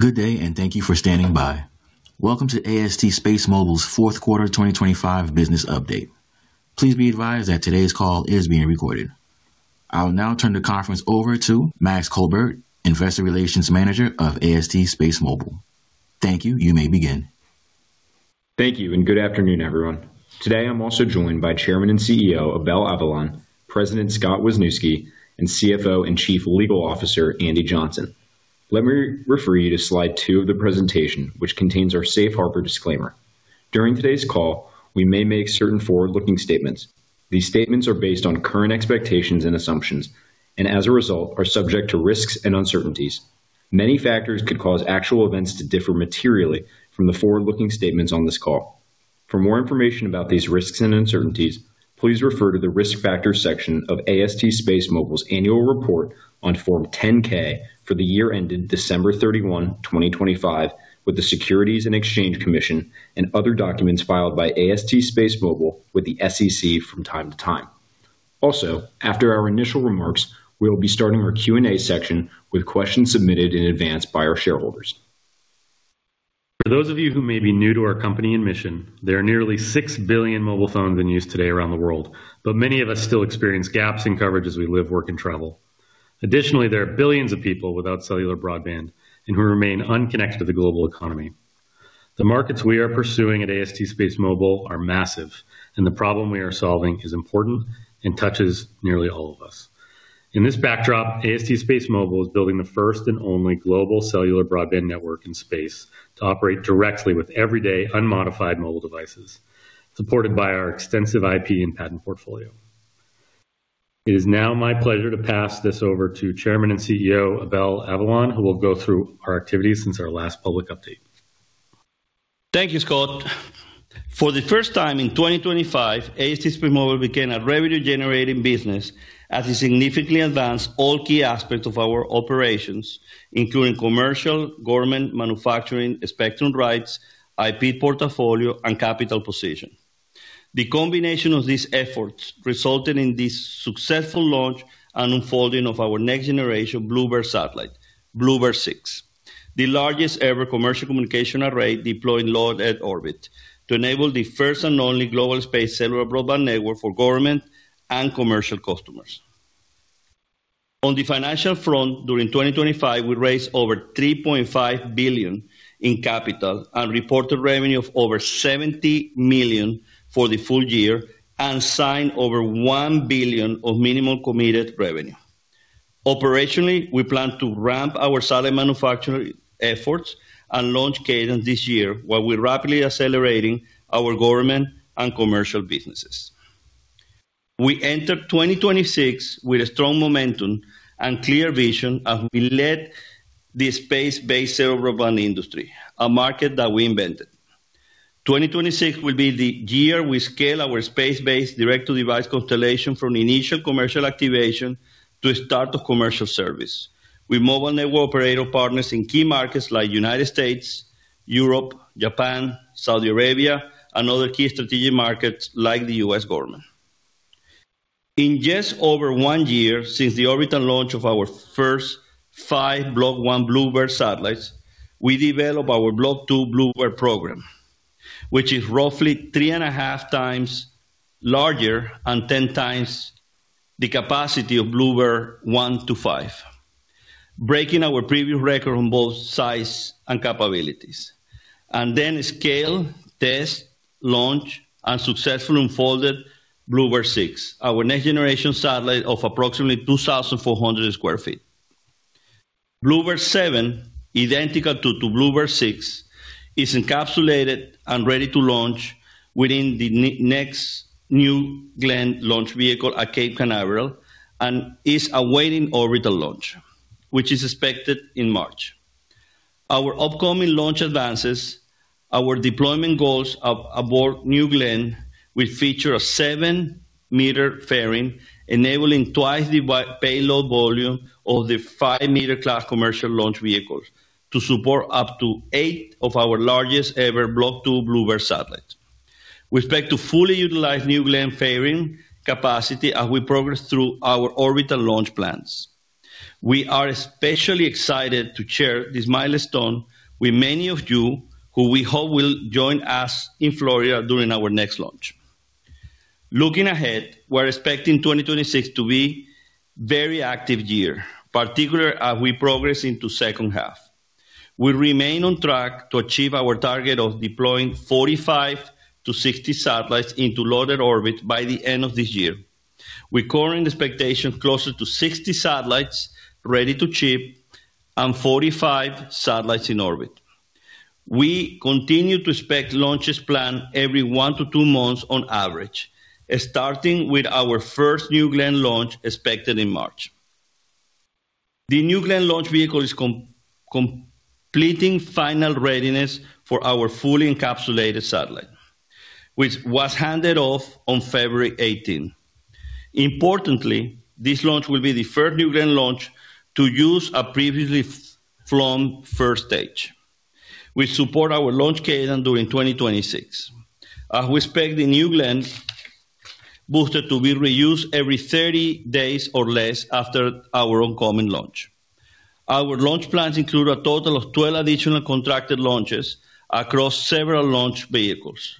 Good day. Thank you for standing by. Welcome to AST SpaceMobile's fourth quarter 2025 business update. Please be advised that today's call is being recorded. I'll now turn the conference over to Max Colbert, Investor Relations Manager of AST SpaceMobile. Thank you. You may begin. Thank you. Good afternoon, everyone. Today I'm also joined by Chairman and CEO, Abel Avellan, President Scott Wisniewski, and CFO and Chief Legal Officer, Andy Johnson. Let me refer you to slide two of the presentation, which contains our safe harbor disclaimer. During today's call, we may make certain forward-looking statements. These statements are based on current expectations and assumptions and as a result are subject to risks and uncertainties. Many factors could cause actual events to differ materially from the forward-looking statements on this call. For more information about these risks and uncertainties, please refer to the Risk Factors section of AST SpaceMobile's annual report on Form 10-K for the year ended December 31, 2025, with the Securities and Exchange Commission and other documents filed by AST SpaceMobile with the SEC from time to time. After our initial remarks, we will be starting our Q&A section with questions submitted in advance by our shareholders. For those of you who may be new to our company and mission, there are nearly 6 billion mobile phones in use today around the world, but many of us still experience gaps in coverage as we live, work, and travel. There are billions of people without cellular broadband and who remain unconnected to the global economy. The markets we are pursuing at AST SpaceMobile are massive, and the problem we are solving is important and touches nearly all of us. In this backdrop, AST SpaceMobile is building the first and only global cellular broadband network in space to operate directly with everyday unmodified mobile devices, supported by our extensive IP and patent portfolio. It is now my pleasure to pass this over to Chairman and CEO, Abel Avellan, who will go through our activities since our last public update. Thank you, Scott. For the first time in 2025, AST SpaceMobile became a revenue-generating business as we significantly advanced all key aspects of our operations, including commercial, government, manufacturing, spectrum rights, IP portfolio, and capital position. The combination of these efforts resulted in the successful launch and unfolding of our next-generation BlueBird satellite, BlueBird 6, the largest ever commercial communication array deployed in low Earth orbit to enable the first and only global space cellular broadband network for government and commercial customers. On the financial front, during 2025, we raised over $3.5 billion in capital and reported revenue of over $70 million for the full year and signed over $1 billion of minimum committed revenue. Operationally, we plan to ramp our satellite manufacturing efforts and launch cadence this year while we're rapidly accelerating our government and commercial businesses. We enter 2026 with a strong momentum and clear vision as we lead the space-based cellular broadband industry, a market that we invented. 2026 will be the year we scale our space-based Direct-to-Device constellation from initial commercial activation to start of commercial service with mobile network operator partners in key markets like U.S., Europe, Japan, Saudi Arabia, and other key strategic markets like the U.S. government. In just over one year since the orbital launch of our first five Block 1 BlueBird satellites, we developed our Block 2 BlueBird program, which is roughly 3.5x larger and 10x the capacity of BlueBird 1 to 5, breaking our previous record on both size and capabilities. Scale, test, launch, and successfully unfolded BlueBird 6, our next-generation satellite of approximately 2,400 sq ft. BlueBird 7, identical to 2 BlueBird 6, is encapsulated and ready to launch within the next New Glenn launch vehicle at Cape Canaveral and is awaiting orbital launch, which is expected in March. Our upcoming launch advances our deployment goals of aboard New Glenn, which feature a 7-meter fairing enabling twice the payload volume of the 5-meter class commercial launch vehicles to support up to eight of our largest ever Block 2 BlueBird satellites. We expect to fully utilize New Glenn fairing capacity as we progress through our orbital launch plans. We are especially excited to share this milestone with many of you who we hope will join us in Florida during our next launch. Looking ahead, we're expecting 2026 to be very active year, particularly as we progress into second half. We remain on track to achieve our target of deploying 45-60 satellites into low Earth orbit by the end of this year. We're calling the expectation closer to 60 satellites ready to ship and 45 satellites in orbit. We continue to expect launches planned every 1-2 months on average, starting with our first New Glenn launch expected in March. The New Glenn launch vehicle is completing final readiness for our fully encapsulated satellite, which was handed off on February 18th. Importantly, this launch will be the first New Glenn launch to use a previously flown first stage. We support our launch cadence during 2026 as we expect the New Glenn booster to be reused every 30 days or less after our oncoming launch. Our launch plans include a total of 12 additional contracted launches across several launch vehicles.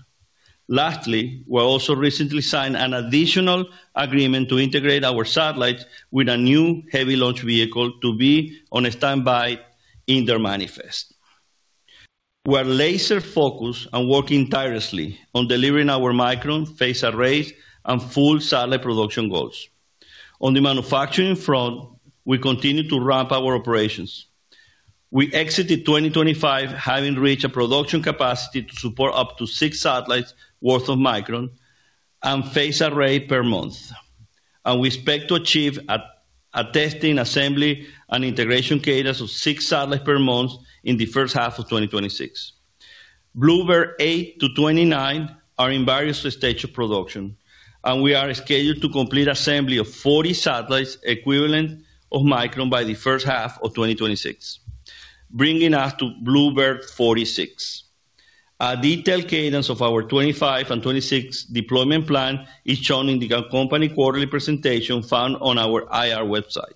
Lastly, we also recently signed an additional agreement to integrate our satellites with a new heavy launch vehicle to be on a standby in their manifest. We're laser-focused on working tirelessly on delivering our Micron phased arrays and full satellite production goals. On the manufacturing front, we continue to ramp our operations. We exited 2025 having reached a production capacity to support up to six satellites worth of Micron and phased array per month. We expect to achieve a testing assembly and integration cadence of six satellites per month in the first half of 2026. BlueBird 8 to 29 are in various stage of production, and we are scheduled to complete assembly of 40 satellites equivalent of Micron by the first half of 2026, bringing us to BlueBird 46. A detailed cadence of our 2025 and 2026 deployment plan is shown in the co-company quarterly presentation found on our IR website.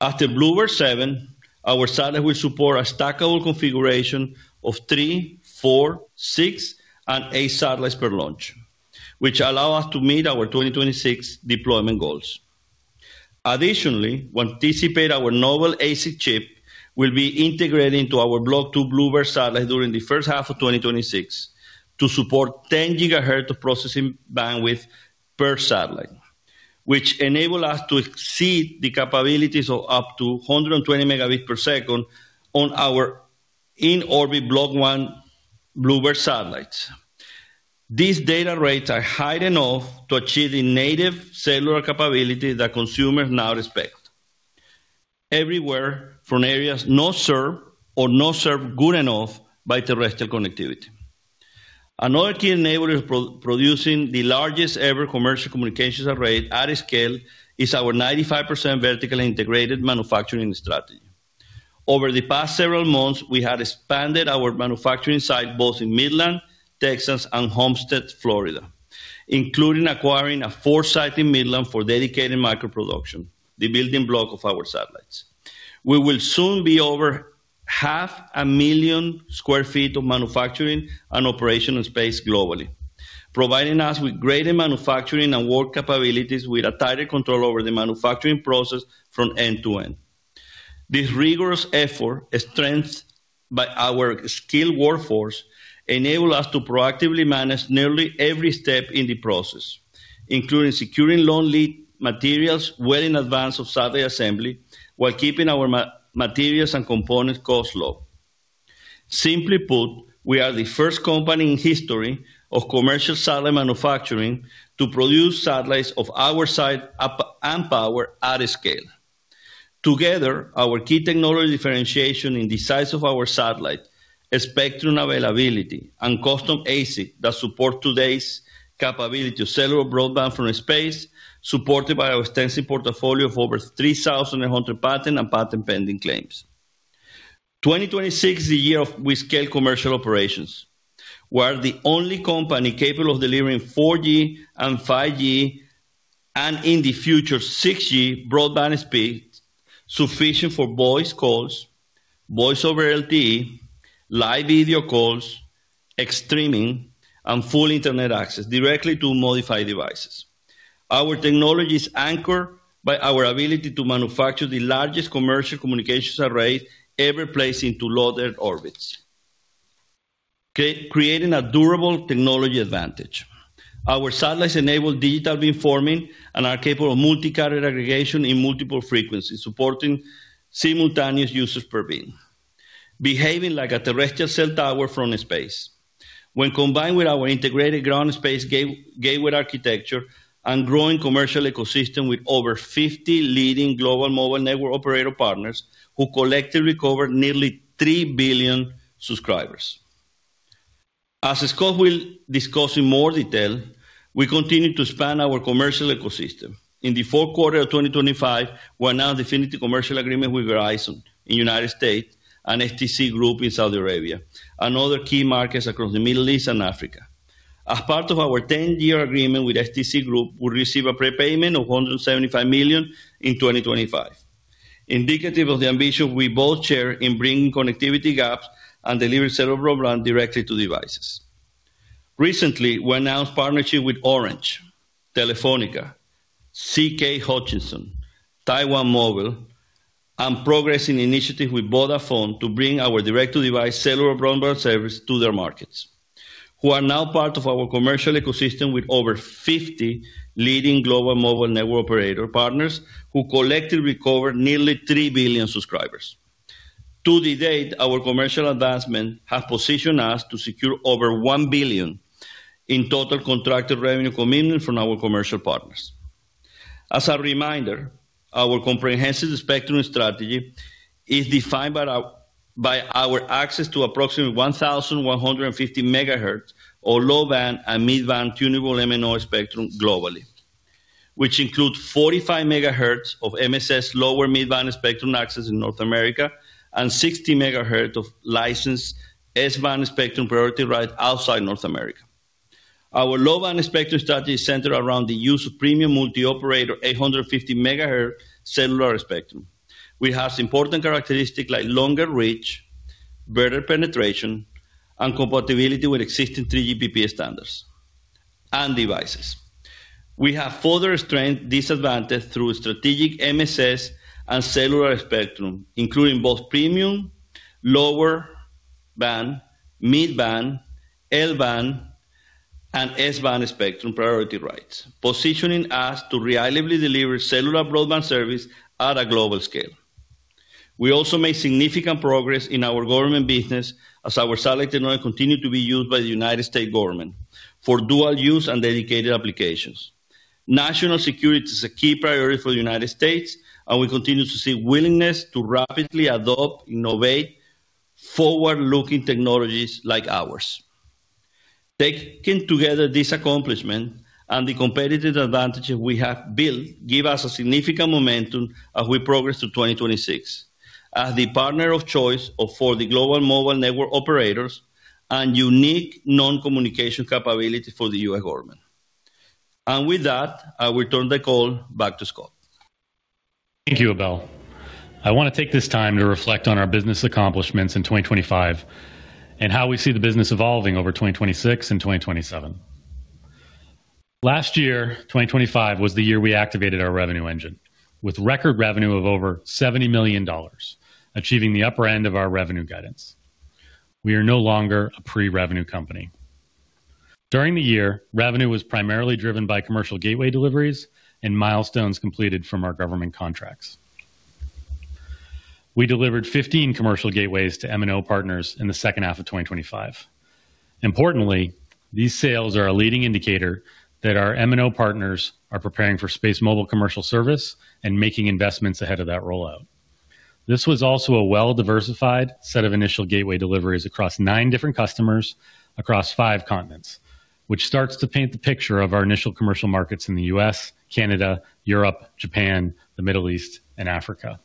After BlueBird 7, our satellite will support a stackable configuration of three, four, six, and eight satellites per launch, which allow us to meet our 2026 deployment goals. We anticipate our novel ASIC chip will be integrated into our Block 2 BlueBird satellite during the first half of 2026 to support 10 gigahertz of processing bandwidth per satellite, which enable us to exceed the capabilities of up to 120 Mbps on our in-orbit Block 1 BlueBird satellites. These data rates are high enough to achieve the native cellular capability that consumers now expect everywhere from areas not served or not served good enough by terrestrial connectivity. Another key enabler of producing the largest-ever commercial communications array at scale is our 95% vertically integrated manufacturing strategy. Over the past several months, we have expanded our manufacturing site both in Midland, Texas and Homestead, Florida, including acquiring a fourth site in Midland for dedicated Micron production, the building block of our satellites. We will soon be over half a million sq ft of manufacturing and operational space globally, providing us with greater manufacturing and work capabilities with a tighter control over the manufacturing process from end to end. This rigorous effort is strengthened by our skilled workforce, enable us to proactively manage nearly every step in the process, including securing long lead materials well in advance of satellite assembly, while keeping our materials and components cost low. Simply put, we are the first company in history of commercial satellite manufacturing to produce satellites of our size up and power at scale. Together, our key technology differentiation in the size of our satellite is spectrum availability and custom ASIC that support today's capability of cellular broadband from space, supported by our extensive portfolio of over 3,100 patent and patent-pending claims. 2026 is the year of we scale commercial operations. We're the only company capable of delivering 4G and 5G, and in the future, 6G broadband speed sufficient for voice calls, Voice over LTE, live video calls, streaming, and full internet access directly to modified devices. Our technology is anchored by our ability to manufacture the largest commercial communications array ever placed into low Earth orbits, creating a durable technology advantage. Our satellites enable digital beamforming and are capable of multi-carrier aggregation in multiple frequencies, supporting simultaneous users per beam, behaving like a terrestrial cell tower from space. When combined with our integrated ground space gateway architecture and growing commercial ecosystem with over 50 leading global mobile network operator partners who collectively cover nearly 3 billion subscribers. As Scott will discuss in more detail, we continue to expand our commercial ecosystem. In the fourth quarter of 2025, we announced a definitive commercial agreement with Verizon in U.S.and stc Group in Saudi Arabia and other key markets across the Middle East and Africa. As part of our 10-year agreement with stc Group, we'll receive a prepayment of $175 million in 2025, indicative of the ambition we both share in bridging connectivity gaps and delivering cellular broadband directly to devices. Recently, we announced partnership with Orange, Telefónica, CK Hutchison, Taiwan Mobile, and progressing initiative with Vodafone to bring our Direct-to-Device cellular broadband service to their markets. We are now part of our commercial ecosystem with over 50 leading global mobile network operator partners who collectively cover nearly 3 billion subscribers. To date, our commercial advancement have positioned us to secure over $1 billion in total contracted revenue commitment from our commercial partners. As a reminder, our comprehensive spectrum strategy is defined by our access to approximately 1,150 megahertz or low-band and mid-band tunable MNO spectrum globally. Which include 45 megahertz of MSS lower mid-band spectrum access in North America and 60 megahertz of licensed S-band spectrum priority right outside North America. Our low-band spectrum strategy is centered around the use of premium multi-operator 850 megahertz cellular spectrum, which has important characteristics like longer reach, better penetration, and compatibility with existing 3GPP standards and devices. We have further strengthened this advantage through strategic MSS and cellular spectrum, including both premium lower band, mid-band, L-band, and S-band spectrum priority rights, positioning us to reliably deliver cellular broadband service at a global scale. We also made significant progress in our government business as our satellite technology continued to be used by the U.S. government for dual-use and dedicated applications. National security is a key priority for the U.S., we continue to see willingness to rapidly adopt, innovate forward-looking technologies like ours. Taken together, this accomplishment and the competitive advantages we have built give us a significant momentum as we progress to 2026 as the partner of choice for the global mobile network operators and unique non-communication capability for the U.S. government. With that, I will turn the call back to Scott. Thank you, Abel Avellan. I want to take this time to reflect on our business accomplishments in 2025 and how we see the business evolving over 2026 and 2027. Last year, 2025, was the year we activated our revenue engine with record revenue of over $70 million, achieving the upper end of our revenue guidance. We are no longer a pre-revenue company. During the year, revenue was primarily driven by commercial gateway deliveries and milestones completed from our government contracts. We delivered 15 commercial gateways to MNO partners in the second half of 2025. Importantly, these sales are a leading indicator that our MNO partners are preparing for SpaceMobile commercial service and making investments ahead of that rollout. This was also a well-diversified set of initial gateway deliveries across 9 different customers across five continents, which starts to paint the picture of our initial commercial markets in the US, Canada, Europe, Japan, the Middle East, and Africa.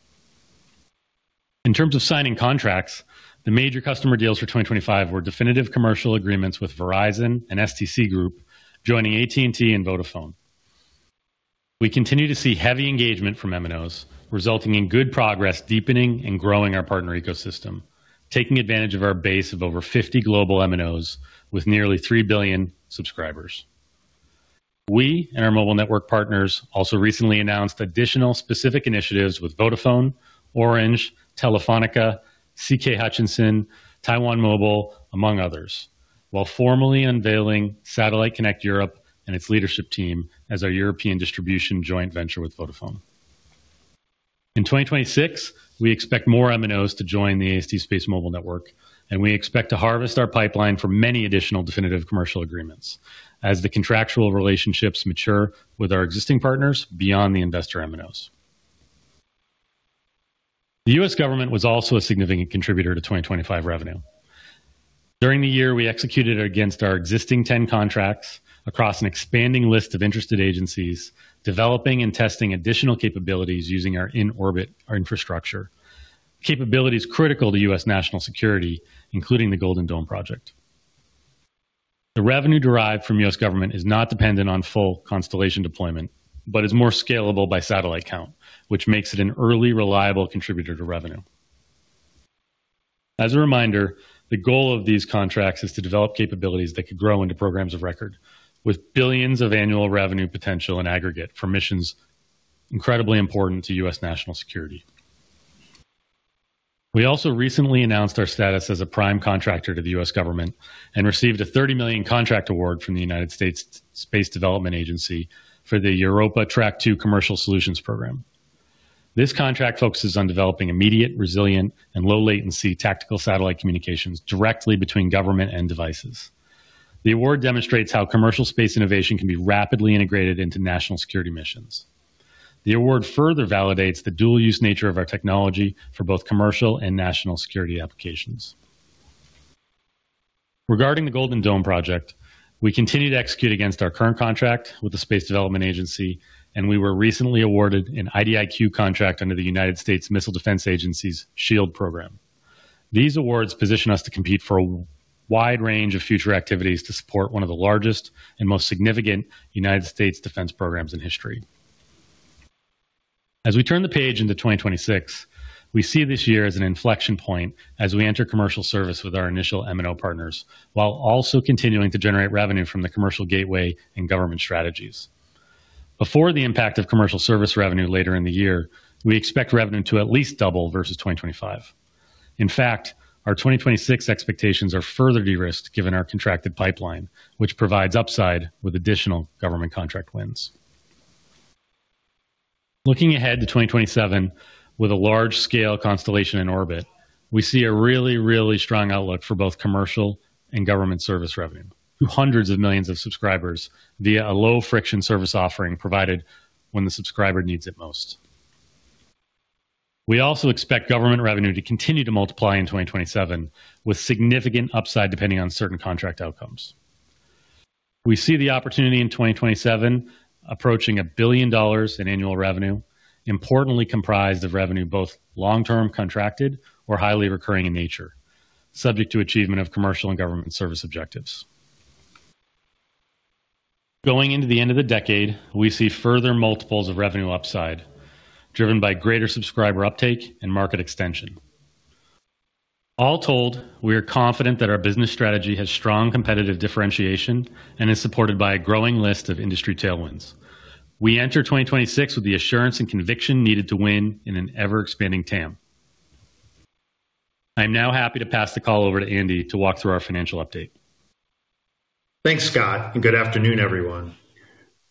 In terms of signing contracts, the major customer deals for 2025 were definitive commercial agreements with Verizon and stc Group joining AT&T and Vodafone. We continue to see heavy engagement from MNOs, resulting in good progress deepening and growing our partner ecosystem, taking advantage of our base of over 50 global MNOs with nearly 3 billion subscribers. We and our mobile network partners also recently announced additional specific initiatives with Vodafone, Orange, Telefónica, CK Hutchison, Taiwan Mobile, among others, while formally unveiling Satellite Connect Europe and its leadership team as our European distribution joint venture with Vodafone. In 2026, we expect more MNOs to join the AST SpaceMobile network. We expect to harvest our pipeline for many additional definitive commercial agreements as the contractual relationships mature with our existing partners beyond the investor MNOs. The U.S. government was also a significant contributor to 2025 revenue. During the year, we executed against our existing 10 contracts across an expanding list of interested agencies, developing and testing additional capabilities using our in-orbit infrastructure. Capabilities critical to U.S. national security, including the Golden Dome project. The revenue derived from U.S. government is not dependent on full constellation deployment, but is more scalable by satellite count, which makes it an early reliable contributor to revenue. As a reminder, the goal of these contracts is to develop capabilities that could grow into programs of record, with $ billions of annual revenue potential in aggregate for missions incredibly important to U.S. national security. We also recently announced our status as a prime contractor to the U.S. government and received a $30 million contract award from the United States Space Development Agency for the Europa Track 2 Commercial Solutions program. This contract focuses on developing immediate, resilient, and low-latency tactical satellite communications directly between government and devices. The award demonstrates how commercial space innovation can be rapidly integrated into national security missions. The award further validates the dual-use nature of our technology for both commercial and national security applications. Regarding the Golden Dome project, we continue to execute against our current contract with the Space Development Agency. We were recently awarded an IDIQ contract under the United States Missile Defense Agency's SHIELD program. These awards position us to compete for a wide range of future activities to support one of the largest and most significant U.S. defense programs in history. We turn the page into 2026, we see this year as an inflection point as we enter commercial service with our initial MNO partners, while also continuing to generate revenue from the commercial gateway and government strategies. Before the impact of commercial service revenue later in the year, we expect revenue to at least double versus 2025. In fact, our 2026 expectations are further de-risked given our contracted pipeline, which provides upside with additional government contract wins. Looking ahead to 2027 with a large-scale constellation in orbit, we see a really, really strong outlook for both commercial and government service revenue through hundreds of millions of subscribers via a low-friction service offering provided when the subscriber needs it most. We also expect government revenue to continue to multiply in 2027, with significant upside depending on certain contract outcomes. We see the opportunity in 2027 approaching $1 billion in annual revenue, importantly comprised of revenue both long-term contracted or highly recurring in nature, subject to achievement of commercial and government service objectives. Going into the end of the decade, we see further multiples of revenue upside driven by greater subscriber uptake and market extension. We are confident that our business strategy has strong competitive differentiation and is supported by a growing list of industry tailwinds. We enter 2026 with the assurance and conviction needed to win in an ever-expanding TAM. I'm now happy to pass the call over to Andy to walk through our financial update. Thanks, Scott, good afternoon, everyone.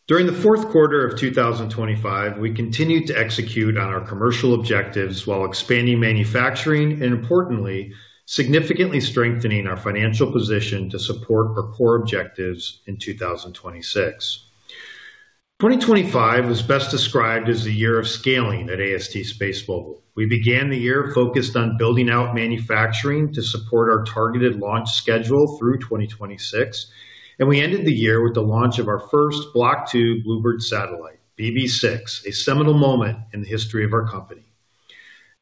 During the fourth quarter of 2025, we continued to execute on our commercial objectives while expanding manufacturing and importantly significantly strengthening our financial position to support our core objectives in 2026. 2025 was best described as the year of scaling at AST SpaceMobile. We began the year focused on building out manufacturing to support our targeted launch schedule through 2026, we ended the year with the launch of our first Block 2 BlueBird satellite, BB6, a seminal moment in the history of our company.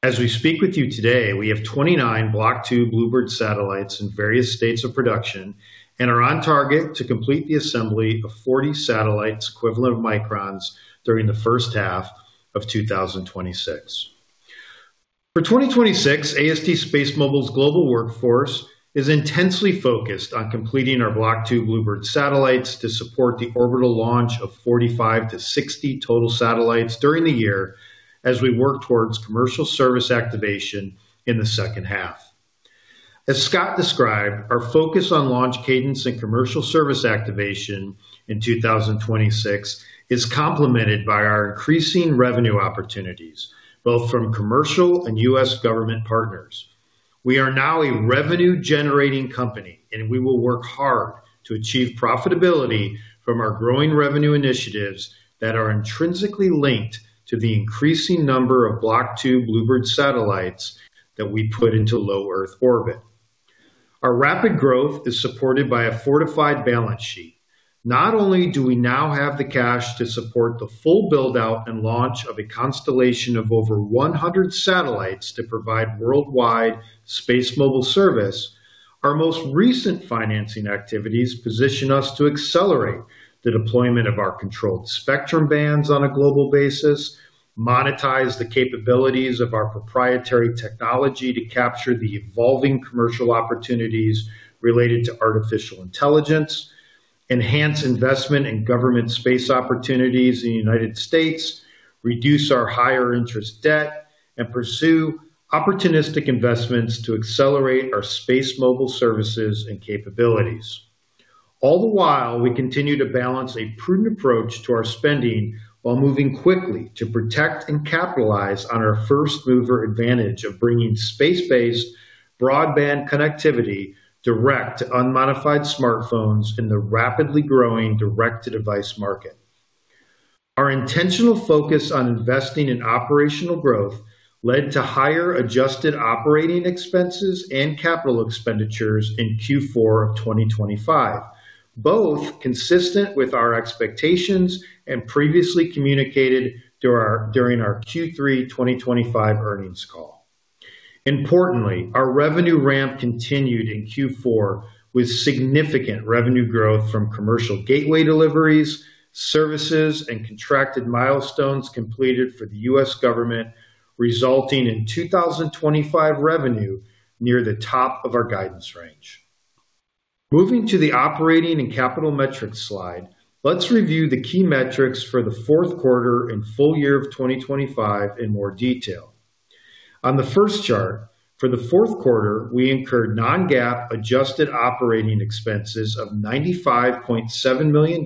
As we speak with you today, we have 29 Block 2 BlueBird satellites in various states of production and are on target to complete the assembly of 40 satellites equivalent of Microns during the first half of 2026. For 2026, AST SpaceMobile's global workforce is intensely focused on completing our Block 2 BlueBird satellites to support the orbital launch of 45 to 60 total satellites during the year as we work towards commercial service activation in the second half. As Scott described, our focus on launch cadence and commercial service activation in 2026 is complemented by our increasing revenue opportunities both from commercial and U.S. government partners. We are now a revenue-generating company, we will work hard to achieve profitability from our growing revenue initiatives that are intrinsically linked to the increasing number of Block 2 BlueBird satellites that we put into low Earth orbit. Our rapid growth is supported by a fortified balance sheet. Not only do we now have the cash to support the full build-out and launch of a constellation of over 100 satellites to provide worldwide SpaceMobile service, our most recent financing activities position us to accelerate the deployment of our controlled spectrum bands on a global basis, monetize the capabilities of our proprietary technology to capture the evolving commercial opportunities related to artificial intelligence, enhance investment in government space opportunities in the U.S., reduce our higher interest debt, and pursue opportunistic investments to accelerate our SpaceMobile services and capabilities. All the while, we continue to balance a prudent approach to our spending while moving quickly to protect and capitalize on our first-mover advantage of bringing space-based broadband connectivity direct to unmodified smartphones in the rapidly growing Direct-to-Device market. Our intentional focus on investing in operational growth led to higher adjusted operating expenses and capital expenditures in Q4 of 2025, both consistent with our expectations and previously communicated during our Q3 2025 earnings call. Importantly, our revenue ramp continued in Q4 with significant revenue growth from commercial gateway deliveries, services, and contracted milestones completed for the U.S. government, resulting in 2025 revenue near the top of our guidance range. Moving to the operating and capital metrics slide, let's review the key metrics for the fourth quarter and full year of 2025 in more detail. On the first chart, for the fourth quarter, we incurred non-GAAP adjusted operating expenses of $95.7 million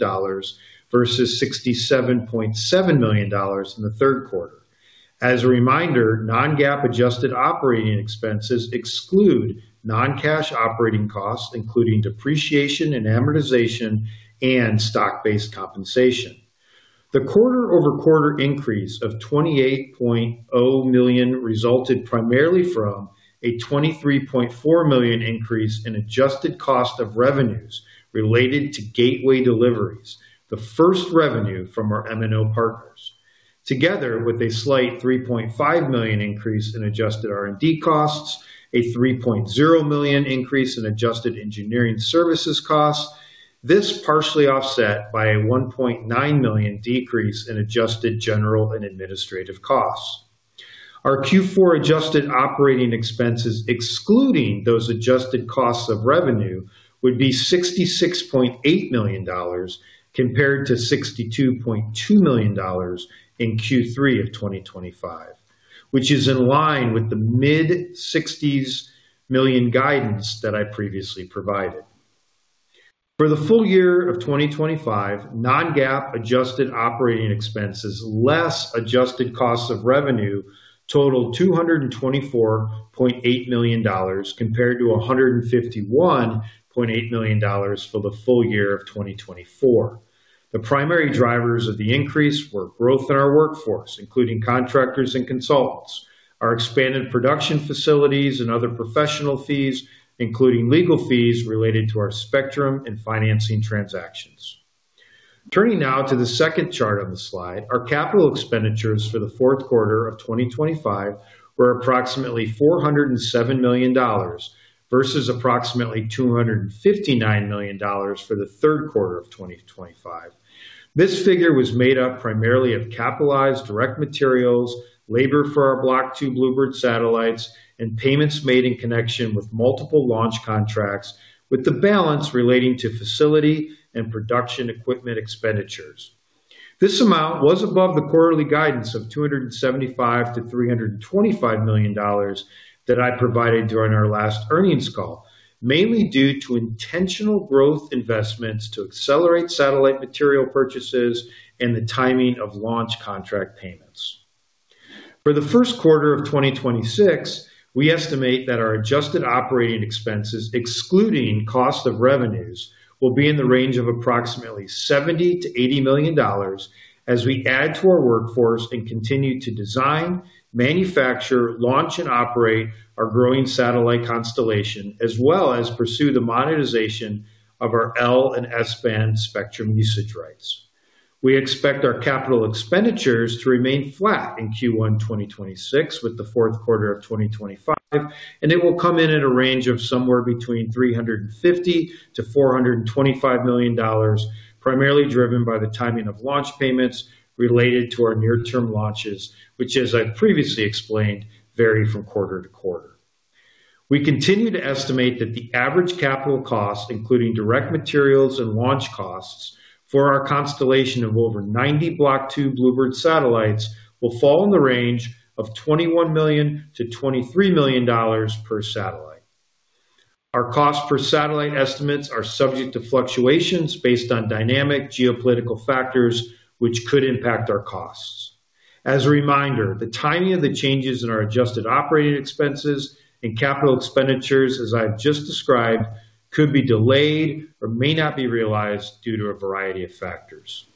versus $67.7 million in the third quarter. As a reminder, non-GAAP adjusted operating expenses exclude non-cash operating costs, including depreciation and amortization and stock-based compensation. The quarter-over-quarter increase of $28.0 million resulted primarily from a $23.4 million increase in adjusted cost of revenues related to gateway deliveries, the first revenue from our MNO partners. Together with a slight $3.5 million increase in adjusted R&D costs, a $3.0 million increase in adjusted engineering services costs. This partially offset by a $1.9 million decrease in adjusted general and administrative costs. Our Q4 adjusted operating expenses, excluding those adjusted costs of revenue, would be $66.8 million compared to $62.2 million in Q3 of 2025, which is in line with the mid-$60 million guidance that I previously provided. For the full year of 2025, non-GAAP adjusted operating expenses less adjusted costs of revenue totaled $224.8 million compared to $151.8 million for the full year of 2024. The primary drivers of the increase were growth in our workforce, including contractors and consultants, our expanded production facilities and other professional fees, including legal fees related to our spectrum and financing transactions. Turning now to the second chart on the slide. Our capital expenditures for the fourth quarter of 2025 were approximately $407 million versus approximately $259 million for the third quarter of 2025. This figure was made up primarily of capitalized direct materials, labor for our Block 2 BlueBird satellites, and payments made in connection with multiple launch contracts, with the balance relating to facility and production equipment expenditures. This amount was above the quarterly guidance of $275 million-$325 million that I provided during our last earnings call, mainly due to intentional growth investments to accelerate satellite material purchases and the timing of launch contract payments. For the first quarter of 2026, we estimate that our adjusted operating expenses, excluding cost of revenues, will be in the range of approximately $70 million-$80 million as we add to our workforce and continue to design, manufacture, launch, and operate our growing satellite constellation, as well as pursue the monetization of our L-band and S-band spectrum usage rights. We expect our capital expenditures to remain flat in Q1 2026 with the fourth quarter of 2025, and it will come in at a range of somewhere between $350 million-$425 million, primarily driven by the timing of launch payments related to our near-term launches, which, as I previously explained, vary from quarter-to-quarter. We continue to estimate that the average capital cost, including direct materials and launch costs for our constellation of over 90 Block 2 BlueBird satellites, will fall in the range of $21 million-$23 million per satellite. Our cost per satellite estimates are subject to fluctuations based on dynamic geopolitical factors which could impact our costs. As a reminder, the timing of the changes in our adjusted operating expenses and capital expenditures, as I've just described, could be delayed or may not be realized due to a variety of factors.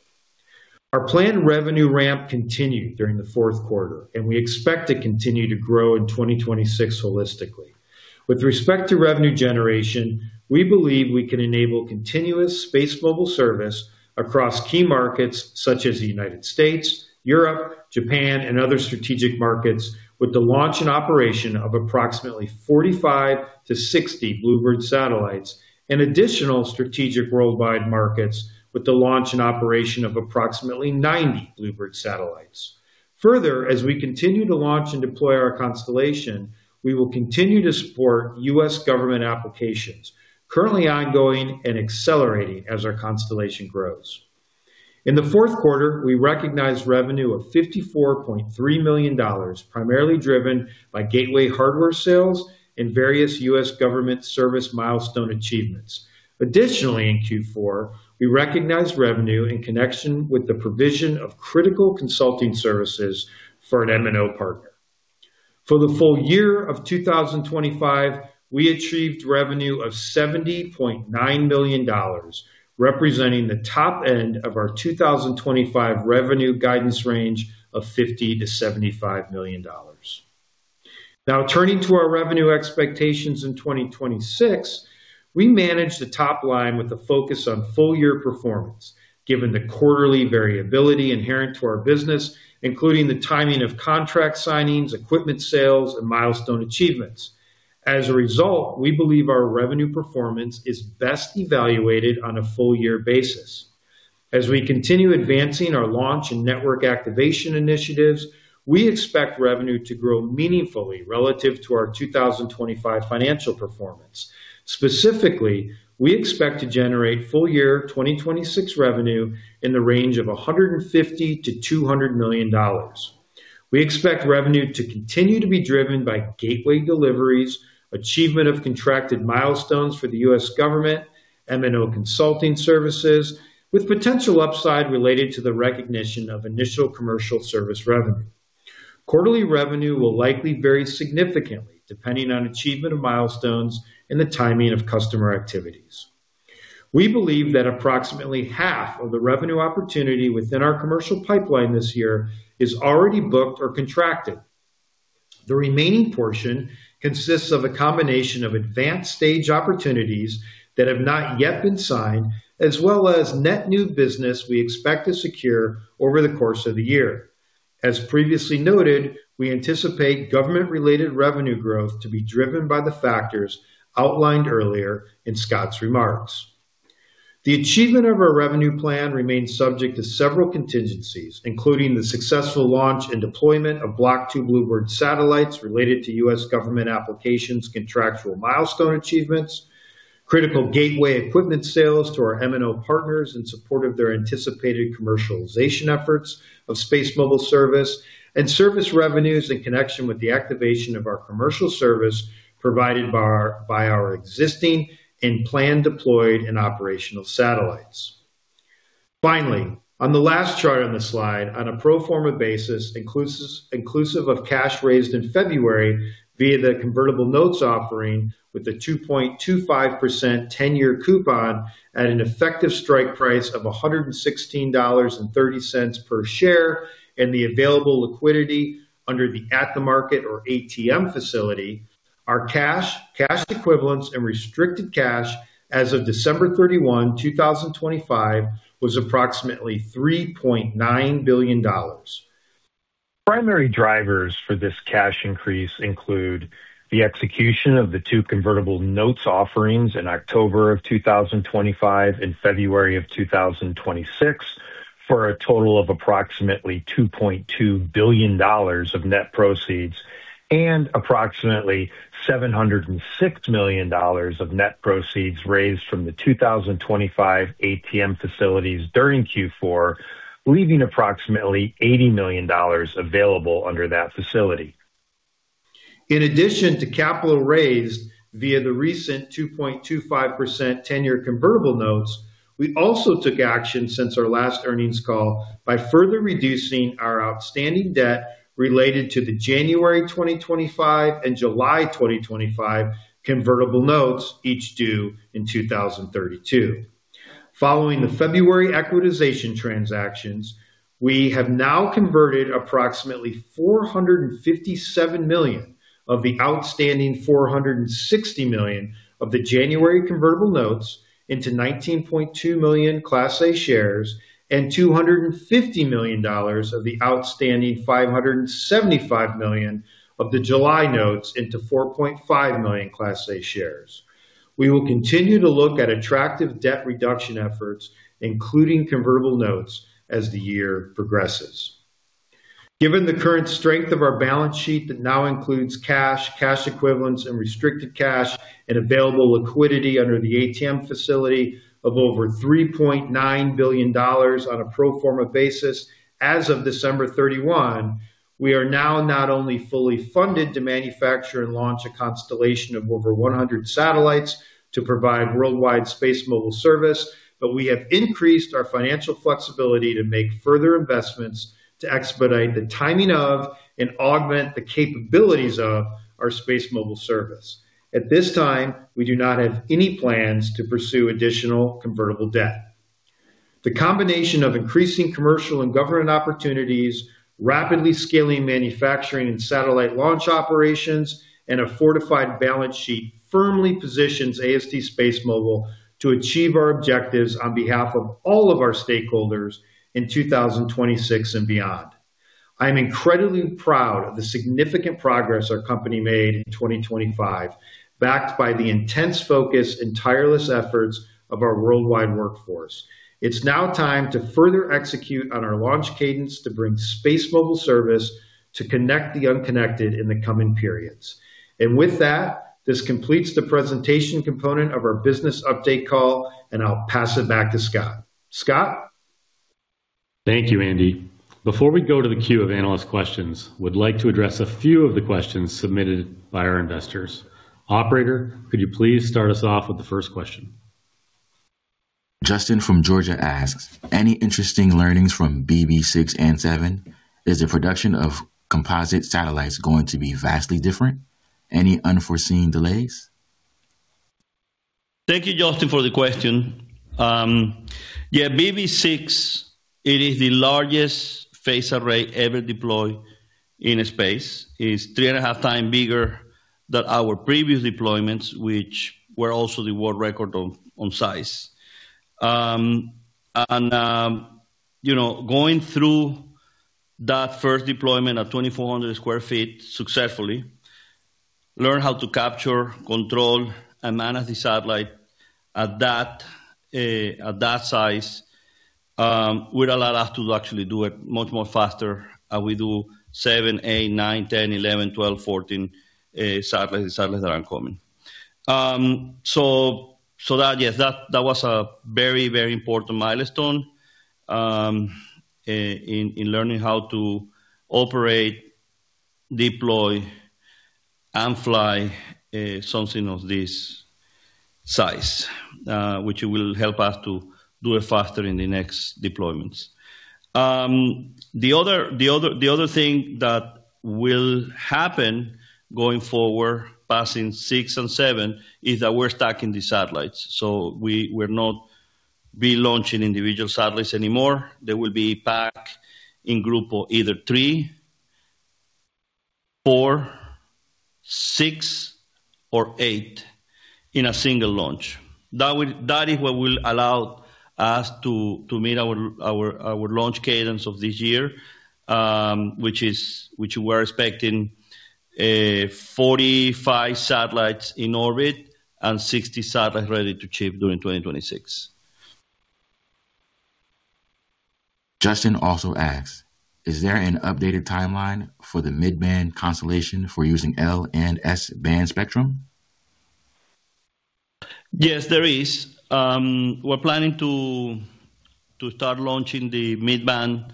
Our planned revenue ramp continued during the fourth quarter. We expect to continue to grow in 2026 holistically. With respect to revenue generation, we believe we can enable continuous SpaceMobile service across key markets such as the U.S., Europe, Japan, and other strategic markets with the launch and operation of approximately 45-60 BlueBird satellites, and additional strategic worldwide markets with the launch and operation of approximately 90 BlueBird satellites. Further, as we continue to launch and deploy our constellation, we will continue to support U.S. government applications currently ongoing and accelerating as our constellation grows. In the fourth quarter, we recognized revenue of $54.3 million, primarily driven by gateway hardware sales and various U.S. government service milestone achievements. Additionally, in Q4, we recognized revenue in connection with the provision of critical consulting services for an MNO partner. For the full year of 2025, we achieved revenue of $70.9 million, representing the top end of our 2025 revenue guidance range of $50 million-$75 million. Now turning to our revenue expectations in 2026. We manage the top line with a focus on full year performance, given the quarterly variability inherent to our business, including the timing of contract signings, equipment sales, and milestone achievements. As a result, we believe our revenue performance is best evaluated on a full year basis. As we continue advancing our launch and network activation initiatives, we expect revenue to grow meaningfully relative to our 2025 financial performance. Specifically, we expect to generate full year 2026 revenue in the range of $150 million-$200 million. We expect revenue to continue to be driven by gateway deliveries, achievement of contracted milestones for the U.S. government, M&O consulting services with potential upside related to the recognition of initial commercial service revenue. Quarterly revenue will likely vary significantly, depending on achievement of milestones and the timing of customer activities. We believe that approximately half of the revenue opportunity within our commercial pipeline this year is already booked or contracted. The remaining portion consists of a combination of advanced stage opportunities that have not yet been signed, as well as net new business we expect to secure over the course of the year. As previously noted, we anticipate government-related revenue growth to be driven by the factors outlined earlier in Scott's remarks. The achievement of our revenue plan remains subject to several contingencies, including the successful launch and deployment of Block 2 BlueBird satellites related to U.S. government applications' contractual milestone achievements, critical gateway equipment sales to our MNO partners in support of their anticipated commercialization efforts of SpaceMobile service, and service revenues in connection with the activation of our commercial service provided by our existing and planned deployed and operational satellites. Finally, on the last chart on the slide, on a pro forma basis, inclusive of cash raised in February via the convertible notes offering with a 2.25% tenure coupon at an effective strike price of $116.30 per share, and the available liquidity under the at-the-market or ATM facility, our cash equivalents, and restricted cash as of December 31, 2025, was approximately $3.9 billion. Primary drivers for this cash increase include the execution of the two convertible notes offerings in October of 2025 and February of 2026, for a total of approximately $2.2 billion of net proceeds and approximately $706 million of net proceeds raised from the 2025 ATM facilities during Q4, leaving approximately $80 million available under that facility. In addition to capital raised via the recent 2.25% tenure convertible notes, we also took action since our last earnings call by further reducing our outstanding debt related to the January 2025 and July 2025 convertible notes, each due in 2032. Following the February equitization transactions, we have now converted approximately $457 million of the outstanding $460 million of the January convertible notes into 19.2 million Class A shares and $250 million of the outstanding $575 million of the July notes into 4.5 million Class A shares. We will continue to look at attractive debt reduction efforts, including convertible notes as the year progresses. Given the current strength of our balance sheet that now includes cash equivalents, and restricted cash, and available liquidity under the ATM facility of over $3.9 billion on a pro forma basis as of December 31, we are now not only fully funded to manufacture and launch a constellation of over 100 satellites to provide worldwide SpaceMobile service, but we have increased our financial flexibility to make further investments to expedite the timing of and augment the capabilities of our SpaceMobile service. At this time, we do not have any plans to pursue additional convertible debt. The combination of increasing commercial and government opportunities, rapidly scaling manufacturing and satellite launch operations, and a fortified balance sheet firmly positions AST SpaceMobile to achieve our objectives on behalf of all of our stakeholders in 2026 and beyond. I'm incredibly proud of the significant progress our company made in 2025, backed by the intense focus and tireless efforts of our worldwide workforce. It's now time to further execute on our launch cadence to bring SpaceMobile service to connect the unconnected in the coming periods. With that, this completes the presentation component of our business update call, and I'll pass it back to Scott. Scott? Thank you, Andy. Before we go to the queue of analyst questions, we'd like to address a few of the questions submitted by our investors. Operator, could you please start us off with the first question? Justin from Georgia asks, "Any interesting learnings from BB6 and seven? Is the production of composite satellites going to be vastly different? Any unforeseen delays? Thank you, Justin, for the question. Yeah, BB6, it is the largest phased array ever deployed in space. It's 3.5x bigger than our previous deployments, which were also the world record on size. You know, going through that first deployment of 2,400 sq ft successfully, learn how to capture, control, and manage the satellite at that size, would allow us to actually do it much more faster as we do seven, eight, nine, 10, 11, 12, 14 satellites that are coming. That, yes, that was a very, very important milestone, in learning how to operate, deploy, and fly something of this size, which will help us to do it faster in the next deployments. The other thing that will happen going forward, passing Six and Seven, is that we're stacking the satellites. We will not be launching individual satellites anymore. They will be packed in group of either three, four, sixor eight in a single launch. That is what will allow us to meet our launch cadence of this year, which we're expecting 45 satellites in orbit and 60 satellites ready to ship during 2026. Justin also asks, "Is there an updated timeline for the mid-band constellation for using L-band and S-band spectrum? Yes, there is. We're planning to start launching the mid-band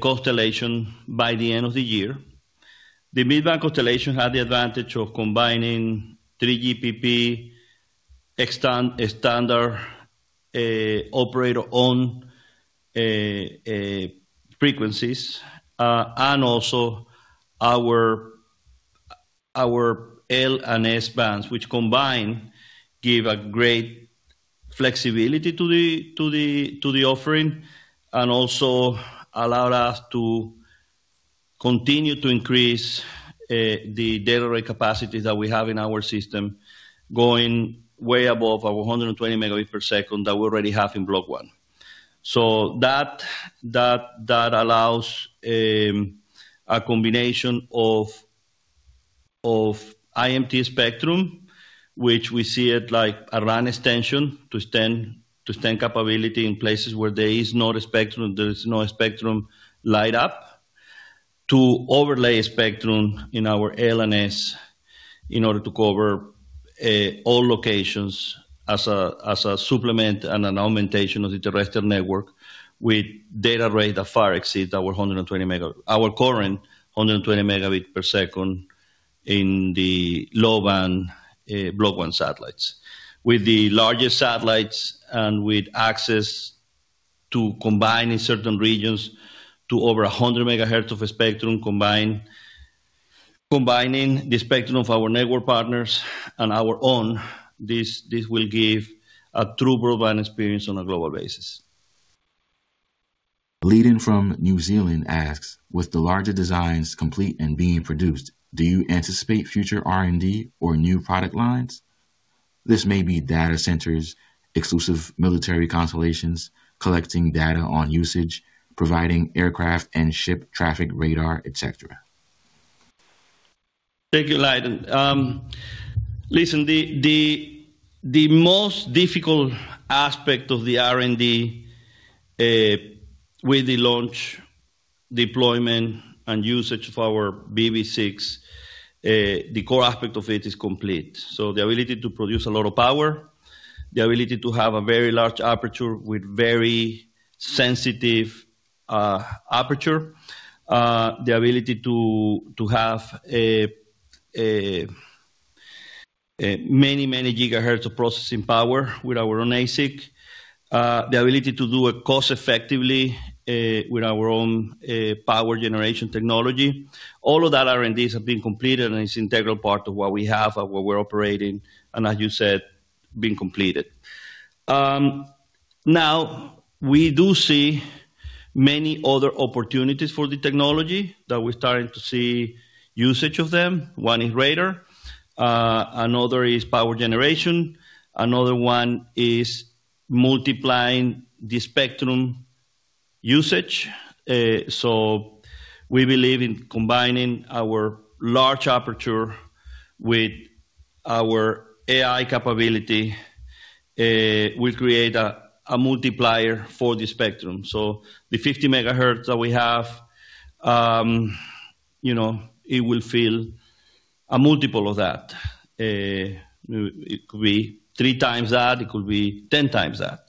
constellation by the end of the year. The mid-band constellation had the advantage of combining 3GPP extra-standard, operator-owned frequencies, and also our L and S bands, which combined give a great flexibility to the offering, and also allowed us to continue to increase the data rate capacity that we have in our system going way above our 120 megabit per second that we already have in Block 1. That allows a combination of IMT spectrum, which we see it like a RAN extension to extend capability in places where there is no spectrum light up, to overlay a spectrum in our LNS in order to cover all locations as a supplement and an augmentation of the terrestrial network with data rate that far exceeds our current 120 megabit per second in the low-band Block 1 satellites. With the largest satellites and with access to combine in certain regions to over 100 megahertz of a spectrum combined, combining the spectrum of our network partners and our own, this will give a true broadband experience on a global basis. Lydon from New Zealand asks, "With the larger designs complete and being produced, do you anticipate future R&D or new product lines? This may be data centers, exclusive military constellations, collecting data on usage, providing aircraft and ship traffic radar, et cetera. Thank you, Lydon. Listen, the most difficult aspect of the R&D with the launch deployment and usage of our BB6, the core aspect of it is complete. The ability to produce a lot of power, the ability to have a very large aperture with very sensitive aperture, the ability to have a many gigahertz of processing power with our own ASIC, the ability to do it cost-effectively with our own power generation technology. All of that R&Ds have been completed and it's integral part of what we have and what we're operating, and as you said, been completed. Now we do see many other opportunities for the technology that we're starting to see usage of them. One is radar, another is power generation, another one is multiplying the spectrum usage. We believe in combining our large aperture with our AI capability, will create a multiplier for the spectrum. The 50 megahertz that we have, you know, it will fill a multiple of that. It could be three times that, it could be 10x that.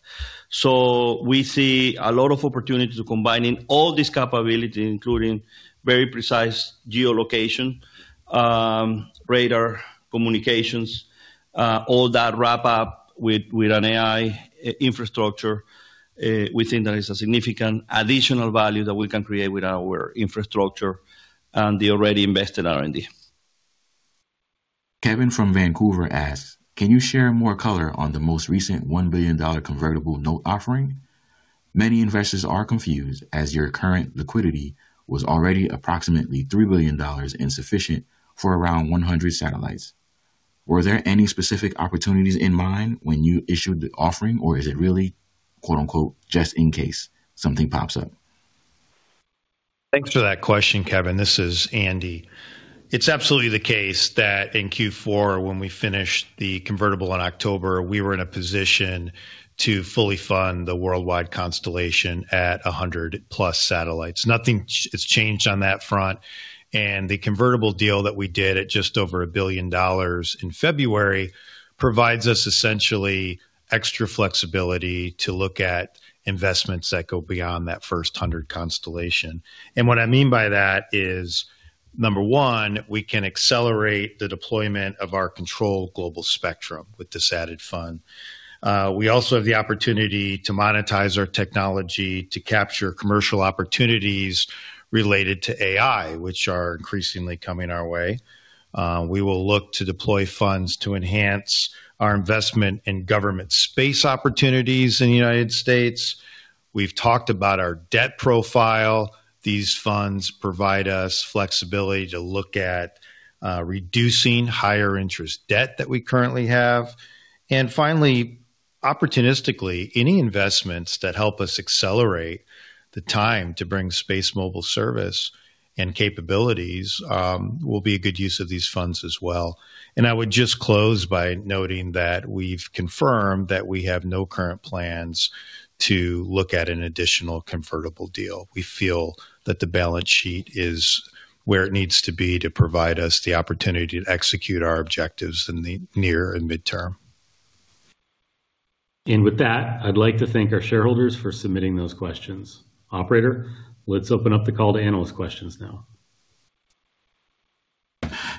We see a lot of opportunities of combining all this capability, including very precise geolocation, radar communications, all that wrap up with an AI infrastructure. We think that is a significant additional value that we can create with our infrastructure and the already invested R&D. Kevin from Vancouver asks, "Can you share more color on the most recent $1 billion convertible note offering? Many investors are confused as your current liquidity was already approximately $3 billion insufficient for around 100 satellites. Were there any specific opportunities in mind when you issued the offering, or is it really, quote-unquote, 'Just in case something pops up?' Thanks for that question, Kevin. This is Andy. It's absolutely the case that in Q4 when we finished the convertible in October, we were in a position to fully fund the worldwide constellation at 100+ satellites. Nothing has changed on that front. The convertible deal that we did at just over $1 billion in February provides us essentially extra flexibility to look at investments that go beyond that first 100 constellation. What I mean by that is, number one, we can accelerate the deployment of our controlled global spectrum with this added fund. We also have the opportunity to monetize our technology to capture commercial opportunities related to AI, which are increasingly coming our way. We will look to deploy funds to enhance our investment in government space opportunities in the U.S.. We've talked about our debt profile. These funds provide us flexibility to look at reducing higher interest debt that we currently have. Finally, opportunistically, any investments that help us accelerate the time to bring SpaceMobile service and capabilities will be a good use of these funds as well. I would just close by noting that we've confirmed that we have no current plans to look at an additional convertible deal. We feel that the balance sheet is where it needs to be to provide us the opportunity to execute our objectives in the near and midterm. With that, I'd like to thank our shareholders for submitting those questions. Operator, let's open up the call to analyst questions now.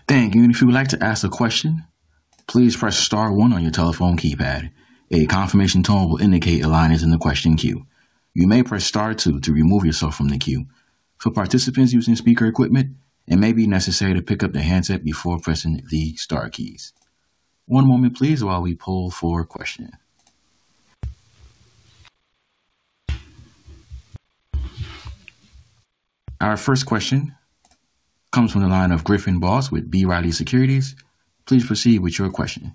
Thank you. If you would like to ask a question, please press star one on your telephone keypad. A confirmation tone will indicate a line is in the question queue. You may press star two to remove yourself from the queue. For participants using speaker equipment, it may be necessary to pick up the handset before pressing the star keys. One moment please while we poll for a question. Our first question comes from the line of Griffin Boss with B. Riley Securities. Please proceed with your question.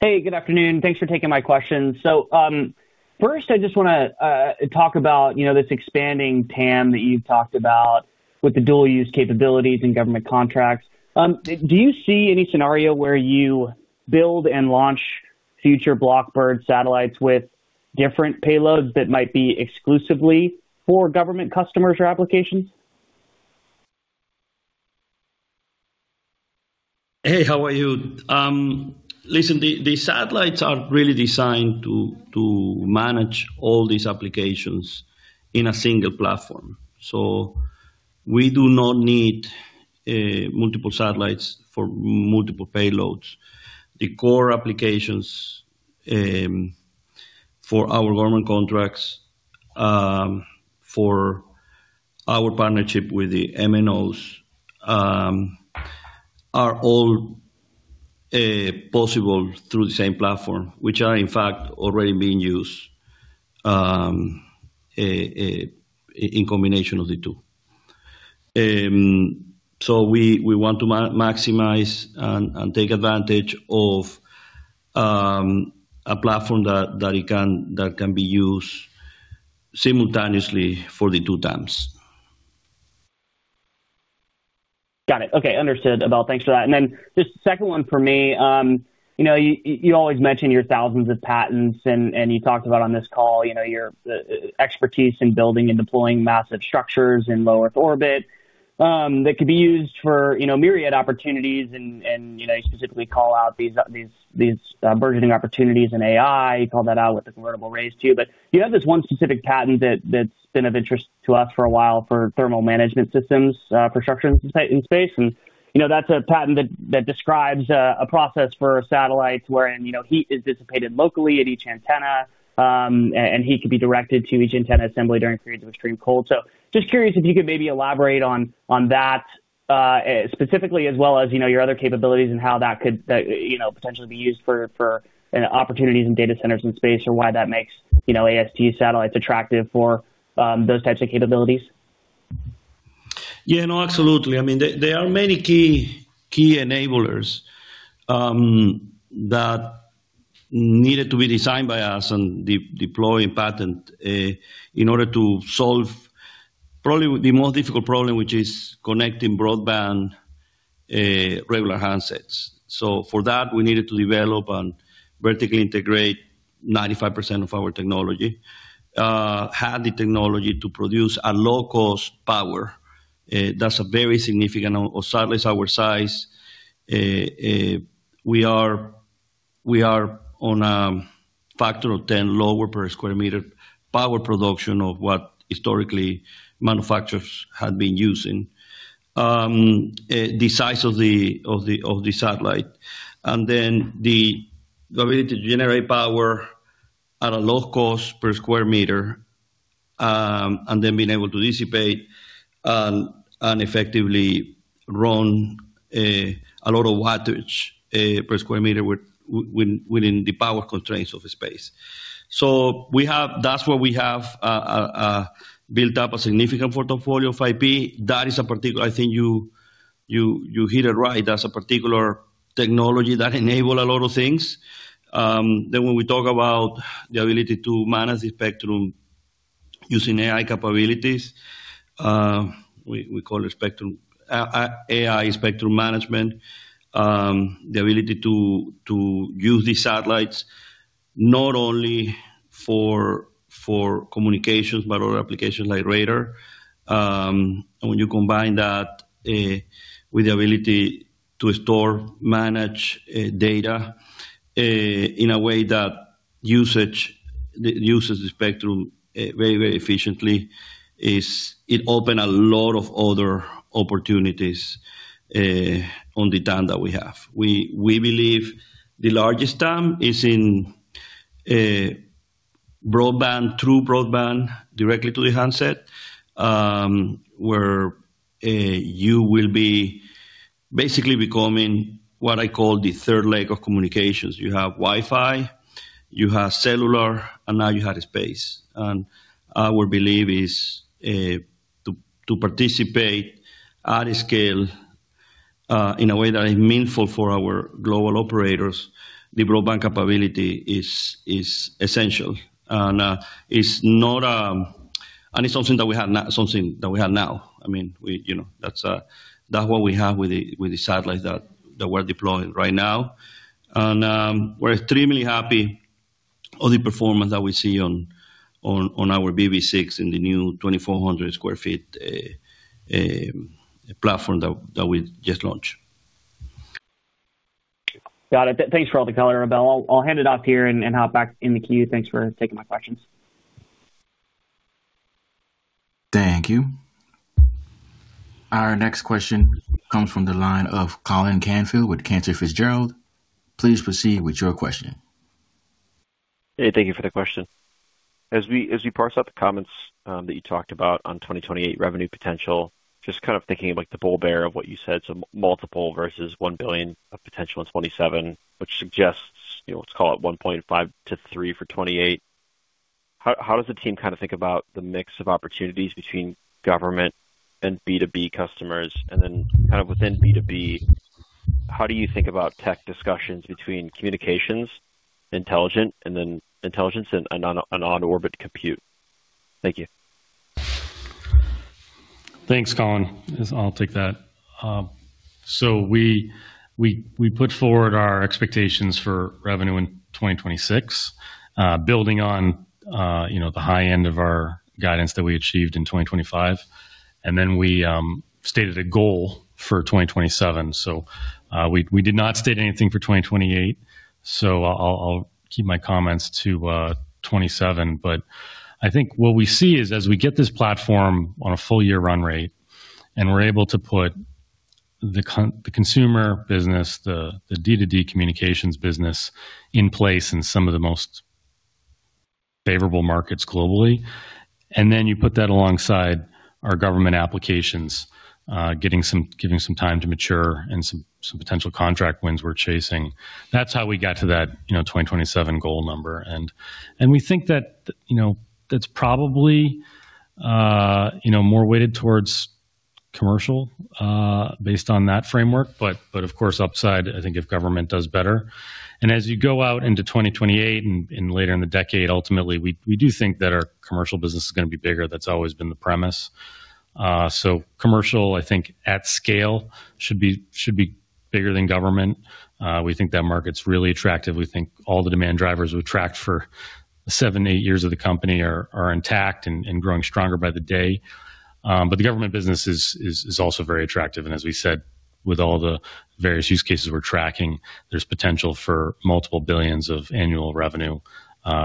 Hey, good afternoon. Thanks for taking my question. First, I just wanna talk about, you know, this expanding TAM that you talked about with the dual-use capabilities and government contracts. Do you see any scenario where you build and launch future BlueBird satellites with different payloads that might be exclusively for government customers or applications? Hey, how are you? Listen, the satellites are really designed to manage all these applications in a single platform. We do not need multiple satellites for multiple payloads. The core applications for our government contracts, for our partnership with the MNOs, are all possible through the same platform, which are in fact already being used in combination of the two. We want to maximize and take advantage of a platform that can be used simultaneously for the two TAMs. Got it. Okay. Understood, Abel. Thanks for that. Just the second one for me. You know, you always mention your thousands of patents and you talked about on this call, you know, your expertise in building and deploying massive structures in low Earth orbit, that could be used for, you know, myriad opportunities and, you know, you specifically call out these burgeoning opportunities in AI. You called that out with this convertible raise too. You have this one specific patent that's been of interest to us for a while for thermal management systems, for structures in space. You know, that's a patent that describes a process for satellites wherein, you know, heat is dissipated locally at each antenna, and heat could be directed to each antenna assembly during periods of extreme cold. Just curious if you could maybe elaborate on that specifically as well as, you know, your other capabilities and how that could, you know, potentially be used for, you know, opportunities in data centers in space or why that makes, you know, AST satellites attractive for those types of capabilities? Yeah, no, absolutely. I mean, there are many key enablers that needed to be designed by us and de-deployed and patent in order to solve probably the most difficult problem which is connecting broadband, regular handsets. For that, we needed to develop and vertically integrate 95% of our technology. Have the technology to produce a low-cost power. That's a very significant. A satellite our size, we are on a factor of 10 lower per square meter power production of what historically manufacturers had been using. The size of the satellite. The ability to generate power at a low cost per square meter, and then being able to dissipate and effectively run a lot of wattage per square meter within the power constraints of the space. That's where we have built up a significant portfolio of IP. That is a particular. I think you hit it right. That's a particular technology that enables a lot of things. When we talk about the ability to manage the spectrum using AI capabilities, we call it spectrum AI spectrum management. The ability to use these satellites not only for communications, but other applications like radar. When you combine that with the ability to store, manage data in a way that uses the spectrum very, very efficiently, it opens a lot of other opportunities on the TAM that we have. We believe the largest TAM is in broadband, through broadband directly to the handset, where you will be basically becoming what I call the third leg of communications. You have Wi-Fi, you have cellular, and now you have space. Our belief is to participate at scale in a way that is meaningful for our global operators, the broadband capability is essential. It's not, and it's something that we have now. I mean, we, you know, that's what we have with the satellites that we're deploying right now. We're extremely happy the performance that we see on our BB6 and the new 2,400 sq ft platform that we just launched. Got it. Thanks for all the color, Abel. I'll hand it off here and hop back in the queue. Thanks for taking my questions. Thank you. Our next question comes from the line of Colin Canfield with Cantor Fitzgerald. Please proceed with your question. Hey, thank you for the question. As we parse out the comments, that you talked about on 2028 revenue potential, just kind of thinking of like the bull bear of what you said, so multiple versus $1 billion of potential in 2027, which suggests, you know, let's call it $1.5 billion-$3 billion for 2028. How does the team kind of think about the mix of opportunities between government and B2B customers? And then kind of within B2B, how do you think about tech discussions between communications, intelligent, and then intelligence and on orbit compute? Thank you. Thanks, Colin. I'll take that. So we put forward our expectations for revenue in 2026, building on, you know, the high end of our guidance that we achieved in 2025, then we stated a goal for 2027. We did not state anything for 2028, so I'll keep my comments to 27. I think what we see is as we get this platform on a full year run rate, and we're able to put the consumer business, the D2D communications business in place in some of the most favorable markets globally. Then you put that alongside our government applications, getting some time to mature and some potential contract wins we're chasing. That's how we got to that, you know, 2027 goal number. We think that, you know, that's probably, you know, more weighted towards commercial, based on that framework. Of course, upside, I think if government does better. As you go out into 2028 and later in the decade, ultimately, we do think that our commercial business is gonna be bigger. That's always been the premise. So commercial, I think at scale should be bigger than government. We think that market's really attractive. We think all the demand drivers we've tracked for seven, eight years of the company are intact and growing stronger by the day. The government business is also very attractive. As we said, with all the various use cases we're tracking, there's potential for multiple billions of annual revenue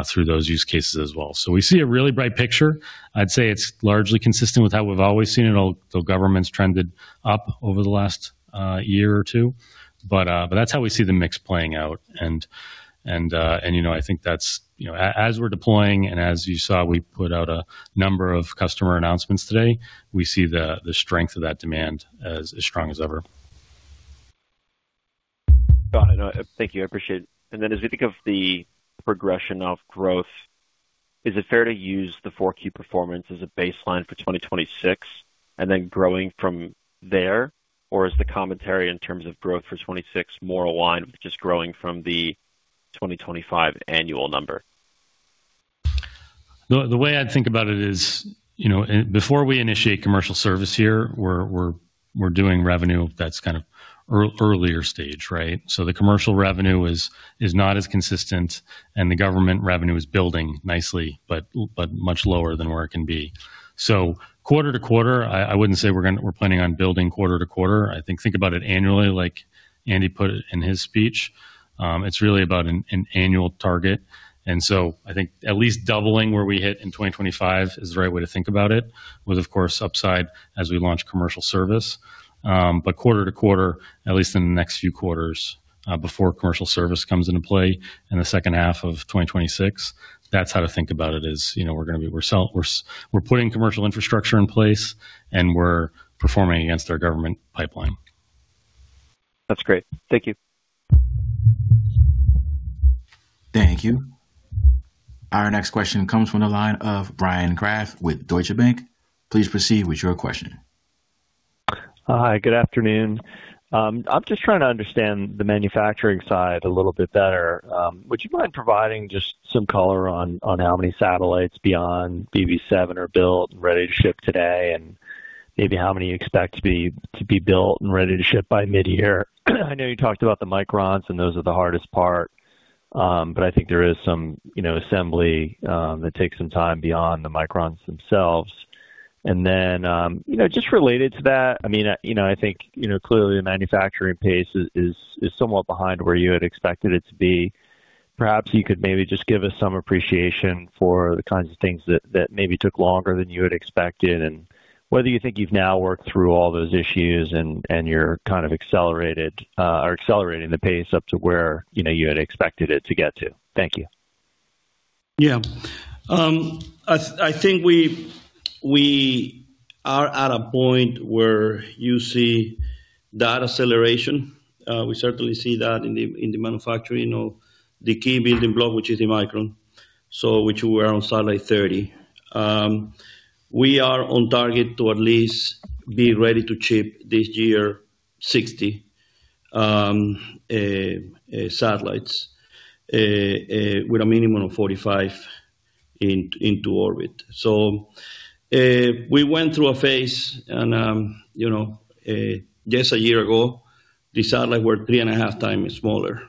through those use cases as well. We see a really bright picture. I'd say it's largely consistent with how we've always seen it, although government's trended up over the last year or two. That's how we see the mix playing out. I think that's, you know, as we're deploying and as you saw, we put out a number of customer announcements today, we see the strength of that demand as strong as ever. Got it. No, thank you. I appreciate it. As we think of the progression of growth, is it fair to use the 4Q performance as a baseline for 2026 and then growing from there? Or is the commentary in terms of growth for 2026 more aligned with just growing from the 2025 annual number? The way I think about it is, you know, before we initiate commercial service here, we're doing revenue that's kind of earlier stage, right? The commercial revenue is not as consistent and the government revenue is building nicely, but much lower than where it can be. Quarter to quarter, I wouldn't say we're planning on building quarter to quarter. I think about it annually like Andy put it in his speech. It's really about an annual target. I think at least doubling where we hit in 2025 is the right way to think about it. With, of course, upside as we launch commercial service. Quarter to quarter, at least in the next few quarters, before commercial service comes into play in the second half of 2026. That's how to think about it is, you know, we're putting commercial infrastructure in place, and we're performing against our government pipeline. That's great. Thank you. Thank you. Our next question comes from the line of Bryan Kraft with Deutsche Bank. Please proceed with your question. Hi, good afternoon. I'm just trying to understand the manufacturing side a little bit better. Would you mind providing just some color on how many satellites beyond BB7 are built and ready to ship today, and maybe how many you expect to be built and ready to ship by midyear? I know you talked about the Microns, and those are the hardest part. I think there is some, you know, assembly that takes some time beyond the Microns themselves. You know, just related to that, I mean, you know, I think, you know, clearly the manufacturing pace is somewhat behind where you had expected it to be. Perhaps you could maybe just give us some appreciation for the kinds of things that maybe took longer than you had expected and whether you think you've now worked through all those issues and you're kind of accelerated or accelerating the pace up to where, you know, you had expected it to get to. Thank you. Yeah. I think we are at a point where you see that acceleration. We certainly see that in the manufacturing of the key building block, which is the Micron. So which we're on satellite 30. We are on target to at least be ready to ship this year 60 satellites with a minimum of 45 Into orbit. We went through a phase and, you know, just a year ago, the satellite were three and a half times smaller.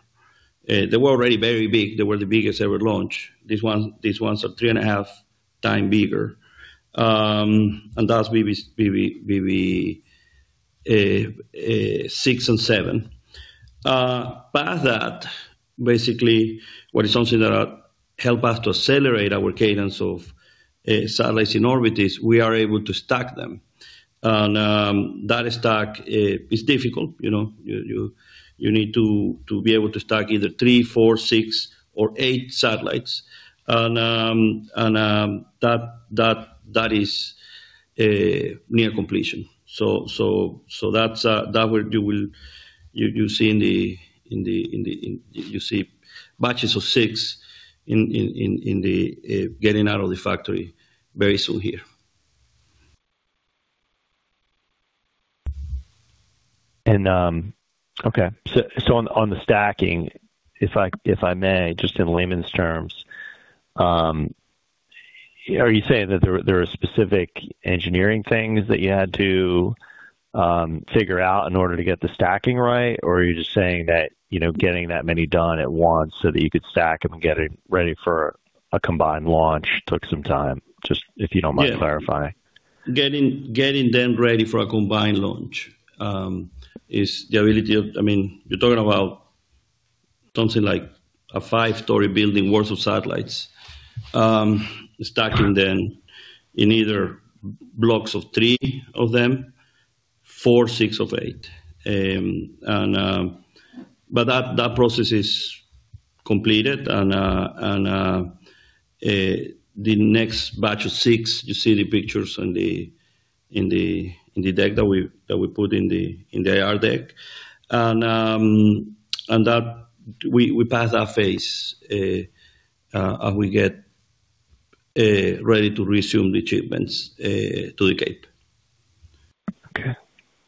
They were already very big. They were the biggest ever launch. These ones are three and a half times bigger. And that's BB6 and 7. Past that, basically, what is something that help us to accelerate our cadence of satellites in orbit is we are able to stack them. And that stack is difficult, you know, you need to be able to stack either three, four, six or eight satellites. And that is a near completion. That's that you see in the, in... You see batches of six in the getting out of the factory very soon here. Okay. On the stacking, if I may, just in layman's terms, are you saying that there are specific engineering things that you had to figure out in order to get the stacking right? Are you just saying that, you know, getting that many done at once so that you could stack them and get it ready for a combined launch took some time? Just if you don't mind clarifying. Yeah. Getting them ready for a combined launch, is the ability of... I mean, you're talking about something like a five-story building worth of satellites. Stacking them in either blocks of three of them, four, six of eight. That, that process is completed and the next batch of 6, you see the pictures in the deck that we put in the AR deck. That, we passed that phase and we get ready to resume the shipments to the Cape. Okay.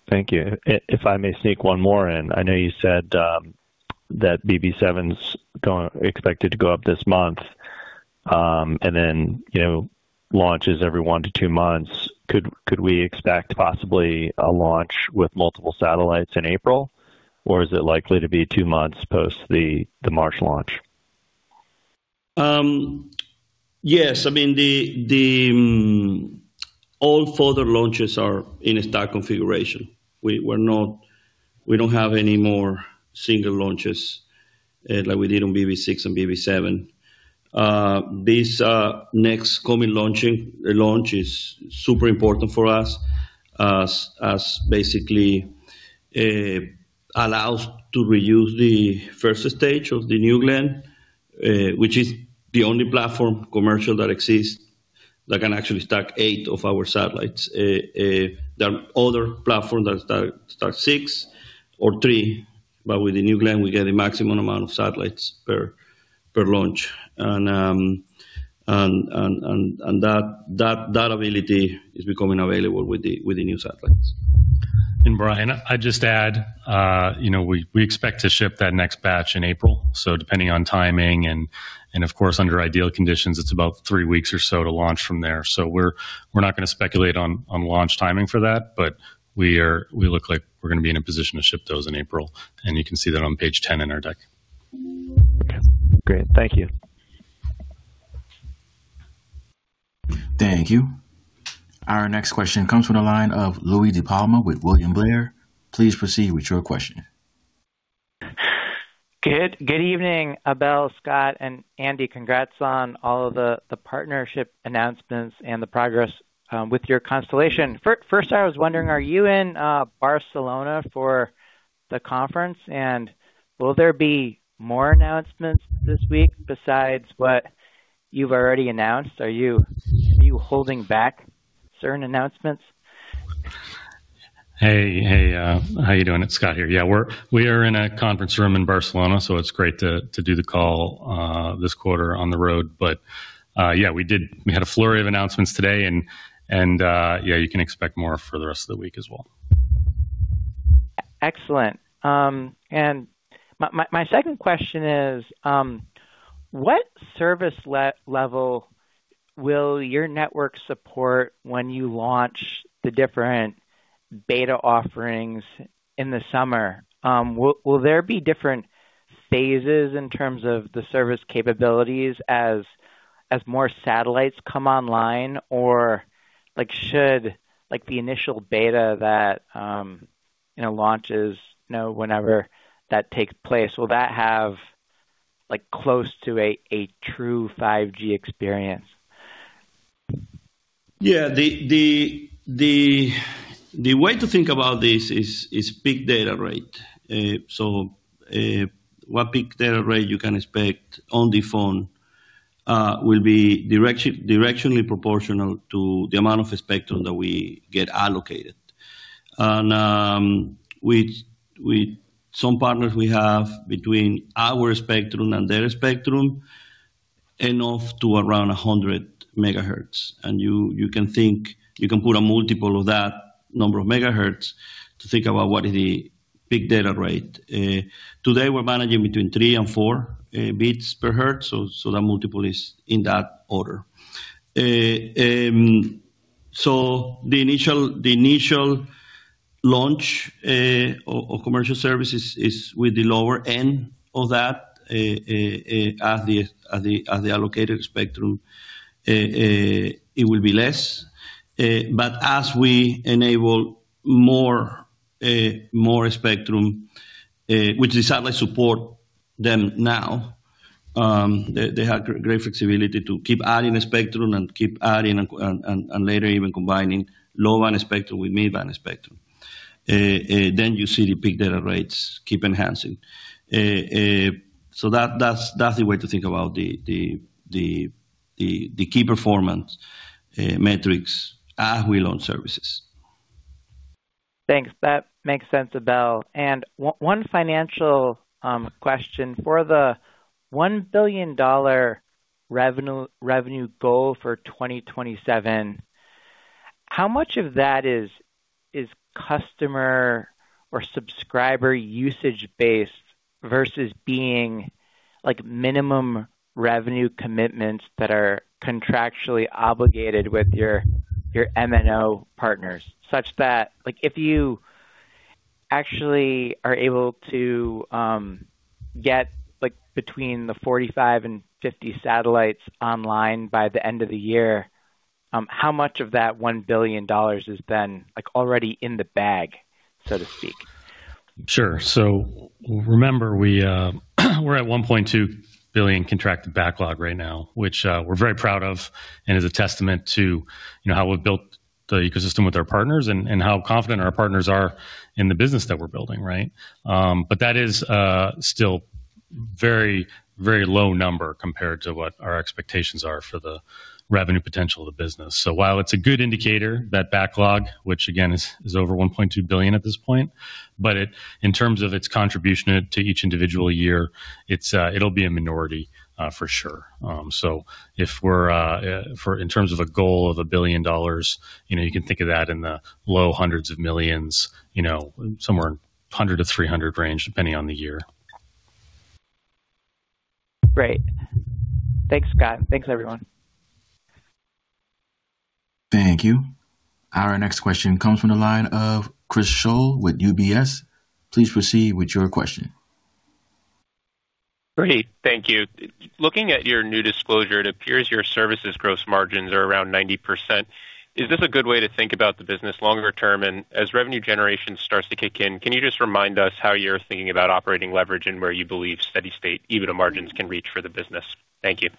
Thank you. If I may sneak one more in. I know you said, that BB7's expected to go up this month, and then, you know, launches every one to two months. Could we expect possibly a launch with multiple satellites in April? Or is it likely to be two months post the March launch? Yes. I mean, the, all further launches are in a stack configuration. We don't have any more single launches, like we did on BB6 and BB7. This next coming launch is super important for us as basically allows to reuse the first stage of the New Glenn, which is the only platform commercial that exists that can actually stack eight of our satellites. There are other platforms that stack six or three, but with the New Glenn, we get the maximum amount of satellites per launch. That ability is becoming available with the new satellites. Bryan, I'd just add, you know, we expect to ship that next batch in April. Depending on timing and of course, under ideal conditions, it's about three weeks or so to launch from there. We're not gonna speculate on launch timing for that, but we look like we're gonna be in a position to ship those in April. You can see that on page 10 in our deck. Okay. Great. Thank you. Thank you. Our next question comes from the line of Louie DiPalma with William Blair. Please proceed with your question. Good evening, Abel, Scott, and Andy. Congrats on all of the partnership announcements and the progress with your constellation. First, I was wondering, are you in Barcelona for the conference? Will there be more announcements this week besides what you've already announced? Are you holding back certain announcements? Hey, hey, how you doing? It's Scott here. Yeah, we are in a conference room in Barcelona. It's great to do the call this quarter on the road. Yeah, we did. We had a flurry of announcements today and, yeah, you can expect more for the rest of the week as well. Excellent. My second question is, what service level will your network support when you launch the different beta offerings in the summer? Will there be different phases in terms of the service capabilities as more satellites come online? Like, should, like, the initial beta that, you know, launches, you know, whenever that takes place, will that have, like, close to a true 5G experience? Yeah. The way to think about this is big data rate. What big data rate you can expect on the phone will be directionally proportional to the amount of spectrum that we get allocated. With some partners we have between our spectrum and their spectrum, enough to around 100 megahertz. You can think. You can put a multiple of that number of megahertz to think about. Big data rate. Today we're managing between three and four bits per hertz, so that multiple is in that order. The initial launch of commercial services is with the lower end of that as the allocated spectrum. It will be less. As we enable more, more spectrum, which the satellites support them now, they have great flexibility to keep adding the spectrum and keep adding and later even combining low band spectrum with mid-band spectrum, you see the big data rates keep enhancing. That's the way to think about the key performance metrics as we launch services. Thanks. That makes sense, Abel. One financial question. For the $1 billion revenue goal for 2027, how much of that is customer or subscriber usage-based versus being like minimum revenue commitments that are contractually obligated with your MNO partners? Such that, like if you actually are able to get like between the 45 and 50 satellites online by the end of the year, how much of that $1 billion is then like already in the bag, so to speak? Sure. Remember we're at $1.2 billion contracted backlog right now, which we're very proud of and is a testament to, you know, how we've built the ecosystem with our partners and how confident our partners are in the business that we're building, right? That is still very, very low number compared to what our expectations are for the revenue potential of the business. While it's a good indicator, that backlog, which again is over $1.2 billion at this point, but in terms of its contribution to each individual year, it'll be a minority for sure. If we're for in terms of a goal of $1 billion, you know, you can think of that in the low hundreds of millions, you know, somewhere $100 million-$300 million range, depending on the year. Great. Thanks, Scott. Thanks, everyone. Thank you. Our next question comes from the line of Chris Schoell with UBS. Please proceed with your question. Great. Thank you. Looking at your new disclosure, it appears your services gross margins are around 90%. Is this a good way to think about the business longer term? As revenue generation starts to kick in, can you just remind us how you're thinking about operating leverage and where you believe steady state EBITDA margins can reach for the business? Thank you.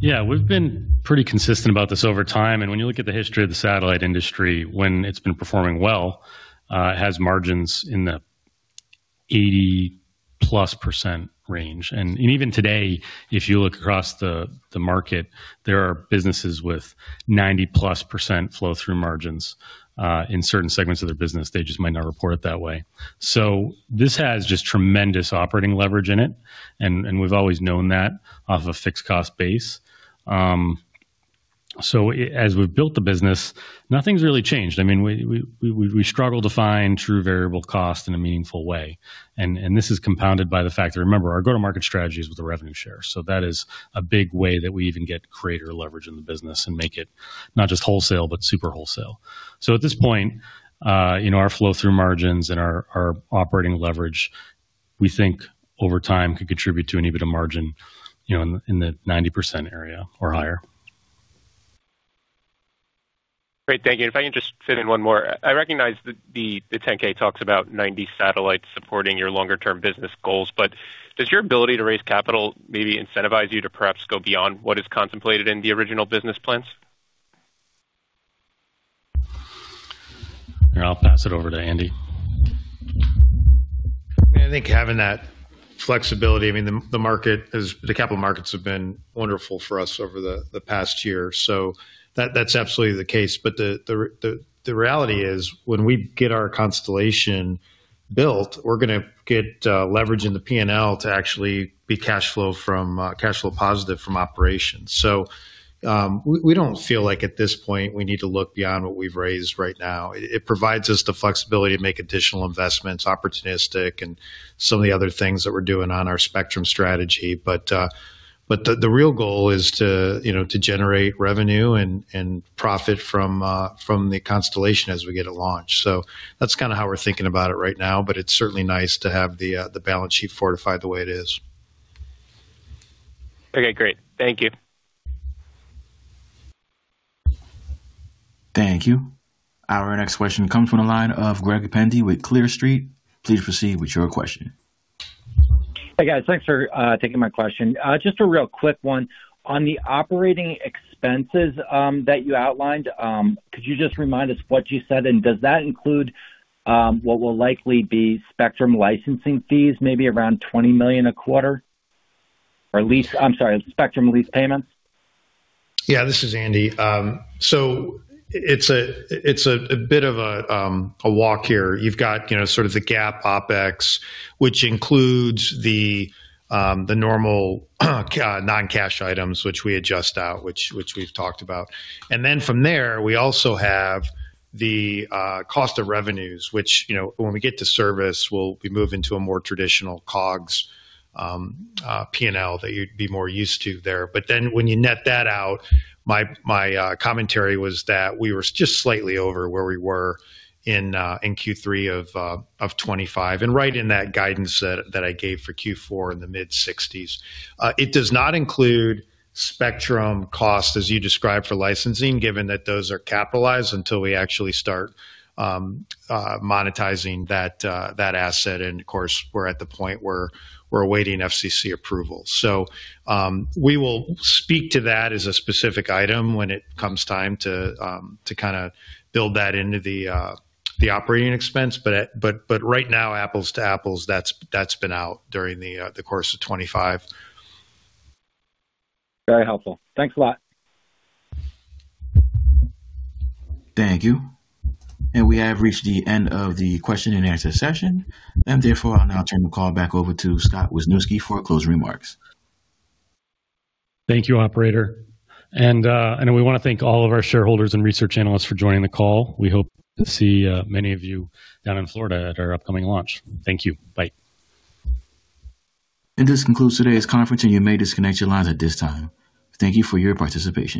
Yeah. We've been pretty consistent about this over time. When you look at the history of the satellite industry, when it's been performing well, it has margins in the 80%+ range. Even today, if you look across the market, there are businesses with 90%+ flow-through margins in certain segments of their business. They just might not report it that way. This has just tremendous operating leverage in it, and we've always known that off a fixed cost base. As we've built the business, nothing's really changed. I mean, we struggle to find true variable cost in a meaningful way. This is compounded by the fact that, remember, our go-to-market strategy is with a revenue share. That is a big way that we even get greater leverage in the business and make it not just wholesale, but super wholesale. At this point, you know, our flow-through margins and our operating leverage, we think over time could contribute to an EBITDA margin, you know, in the 90% area or higher. Great. Thank you. If I can just fit in one more. I recognize that the 10-K talks about 90 satellites supporting your longer term business goals, does your ability to raise capital maybe incentivize you to perhaps go beyond what is contemplated in the original business plans? I'll pass it over to Andy. I think having that flexibility, I mean, the market is. The capital markets have been wonderful for us over the past year, so that's absolutely the case. The reality is when we get our constellation built, we're gonna get leverage in the P&L to actually be cash flow from cash flow positive from operations. We don't feel like at this point we need to look beyond what we've raised right now. It provides us the flexibility to make additional investments, opportunistic and some of the other things that we're doing on our spectrum strategy. The real goal is to, you know, to generate revenue and profit from the constellation as we get a launch. That's kinda how we're thinking about it right now, but it's certainly nice to have the balance sheet fortified the way it is. Okay, great. Thank you. Thank you. Our next question comes from the line of Greg Pendy with Clear Street. Please proceed with your question. Hey, guys. Thanks for taking my question. Just a real quick one. On the operating expenses that you outlined, could you just remind us what you said? Does that include what will likely be spectrum licensing fees maybe around $20 million a quarter? Or I'm sorry, spectrum lease payments? Yeah, this is Andy. It's a bit of a walk here. You've got, you know, sort of the GAAP OpEx, which includes the normal non-cash items which we adjust out, which we've talked about. From there, we also have the cost of revenues, which, you know, when we get to service, we'll be moving to a more traditional COGS P&L that you'd be more used to there. When you net that out, my commentary was that we were just slightly over where we were in Q3 of 2025. Right in that guidance that I gave for Q4 in the mid-sixties. it does not include spectrum cost as you described for licensing, given that those are capitalized until we actually start monetizing that asset. Of course, we're at the point where we're awaiting FCC approval. We will speak to that as a specific item when it comes time to kinda build that into the operating expense. But right now, apples to apples, that's been out during the course of 2025. Very helpful. Thanks a lot. Thank you. We have reached the end of the question and answer session, and therefore I'll now turn the call back over to Scott Wisniewski for closing remarks. Thank you, operator. We wanna thank all of our shareholders and research analysts for joining the call. We hope to see many of you down in Florida at our upcoming launch. Thank you. Bye. This concludes today's conference, and you may disconnect your lines at this time. Thank you for your participation.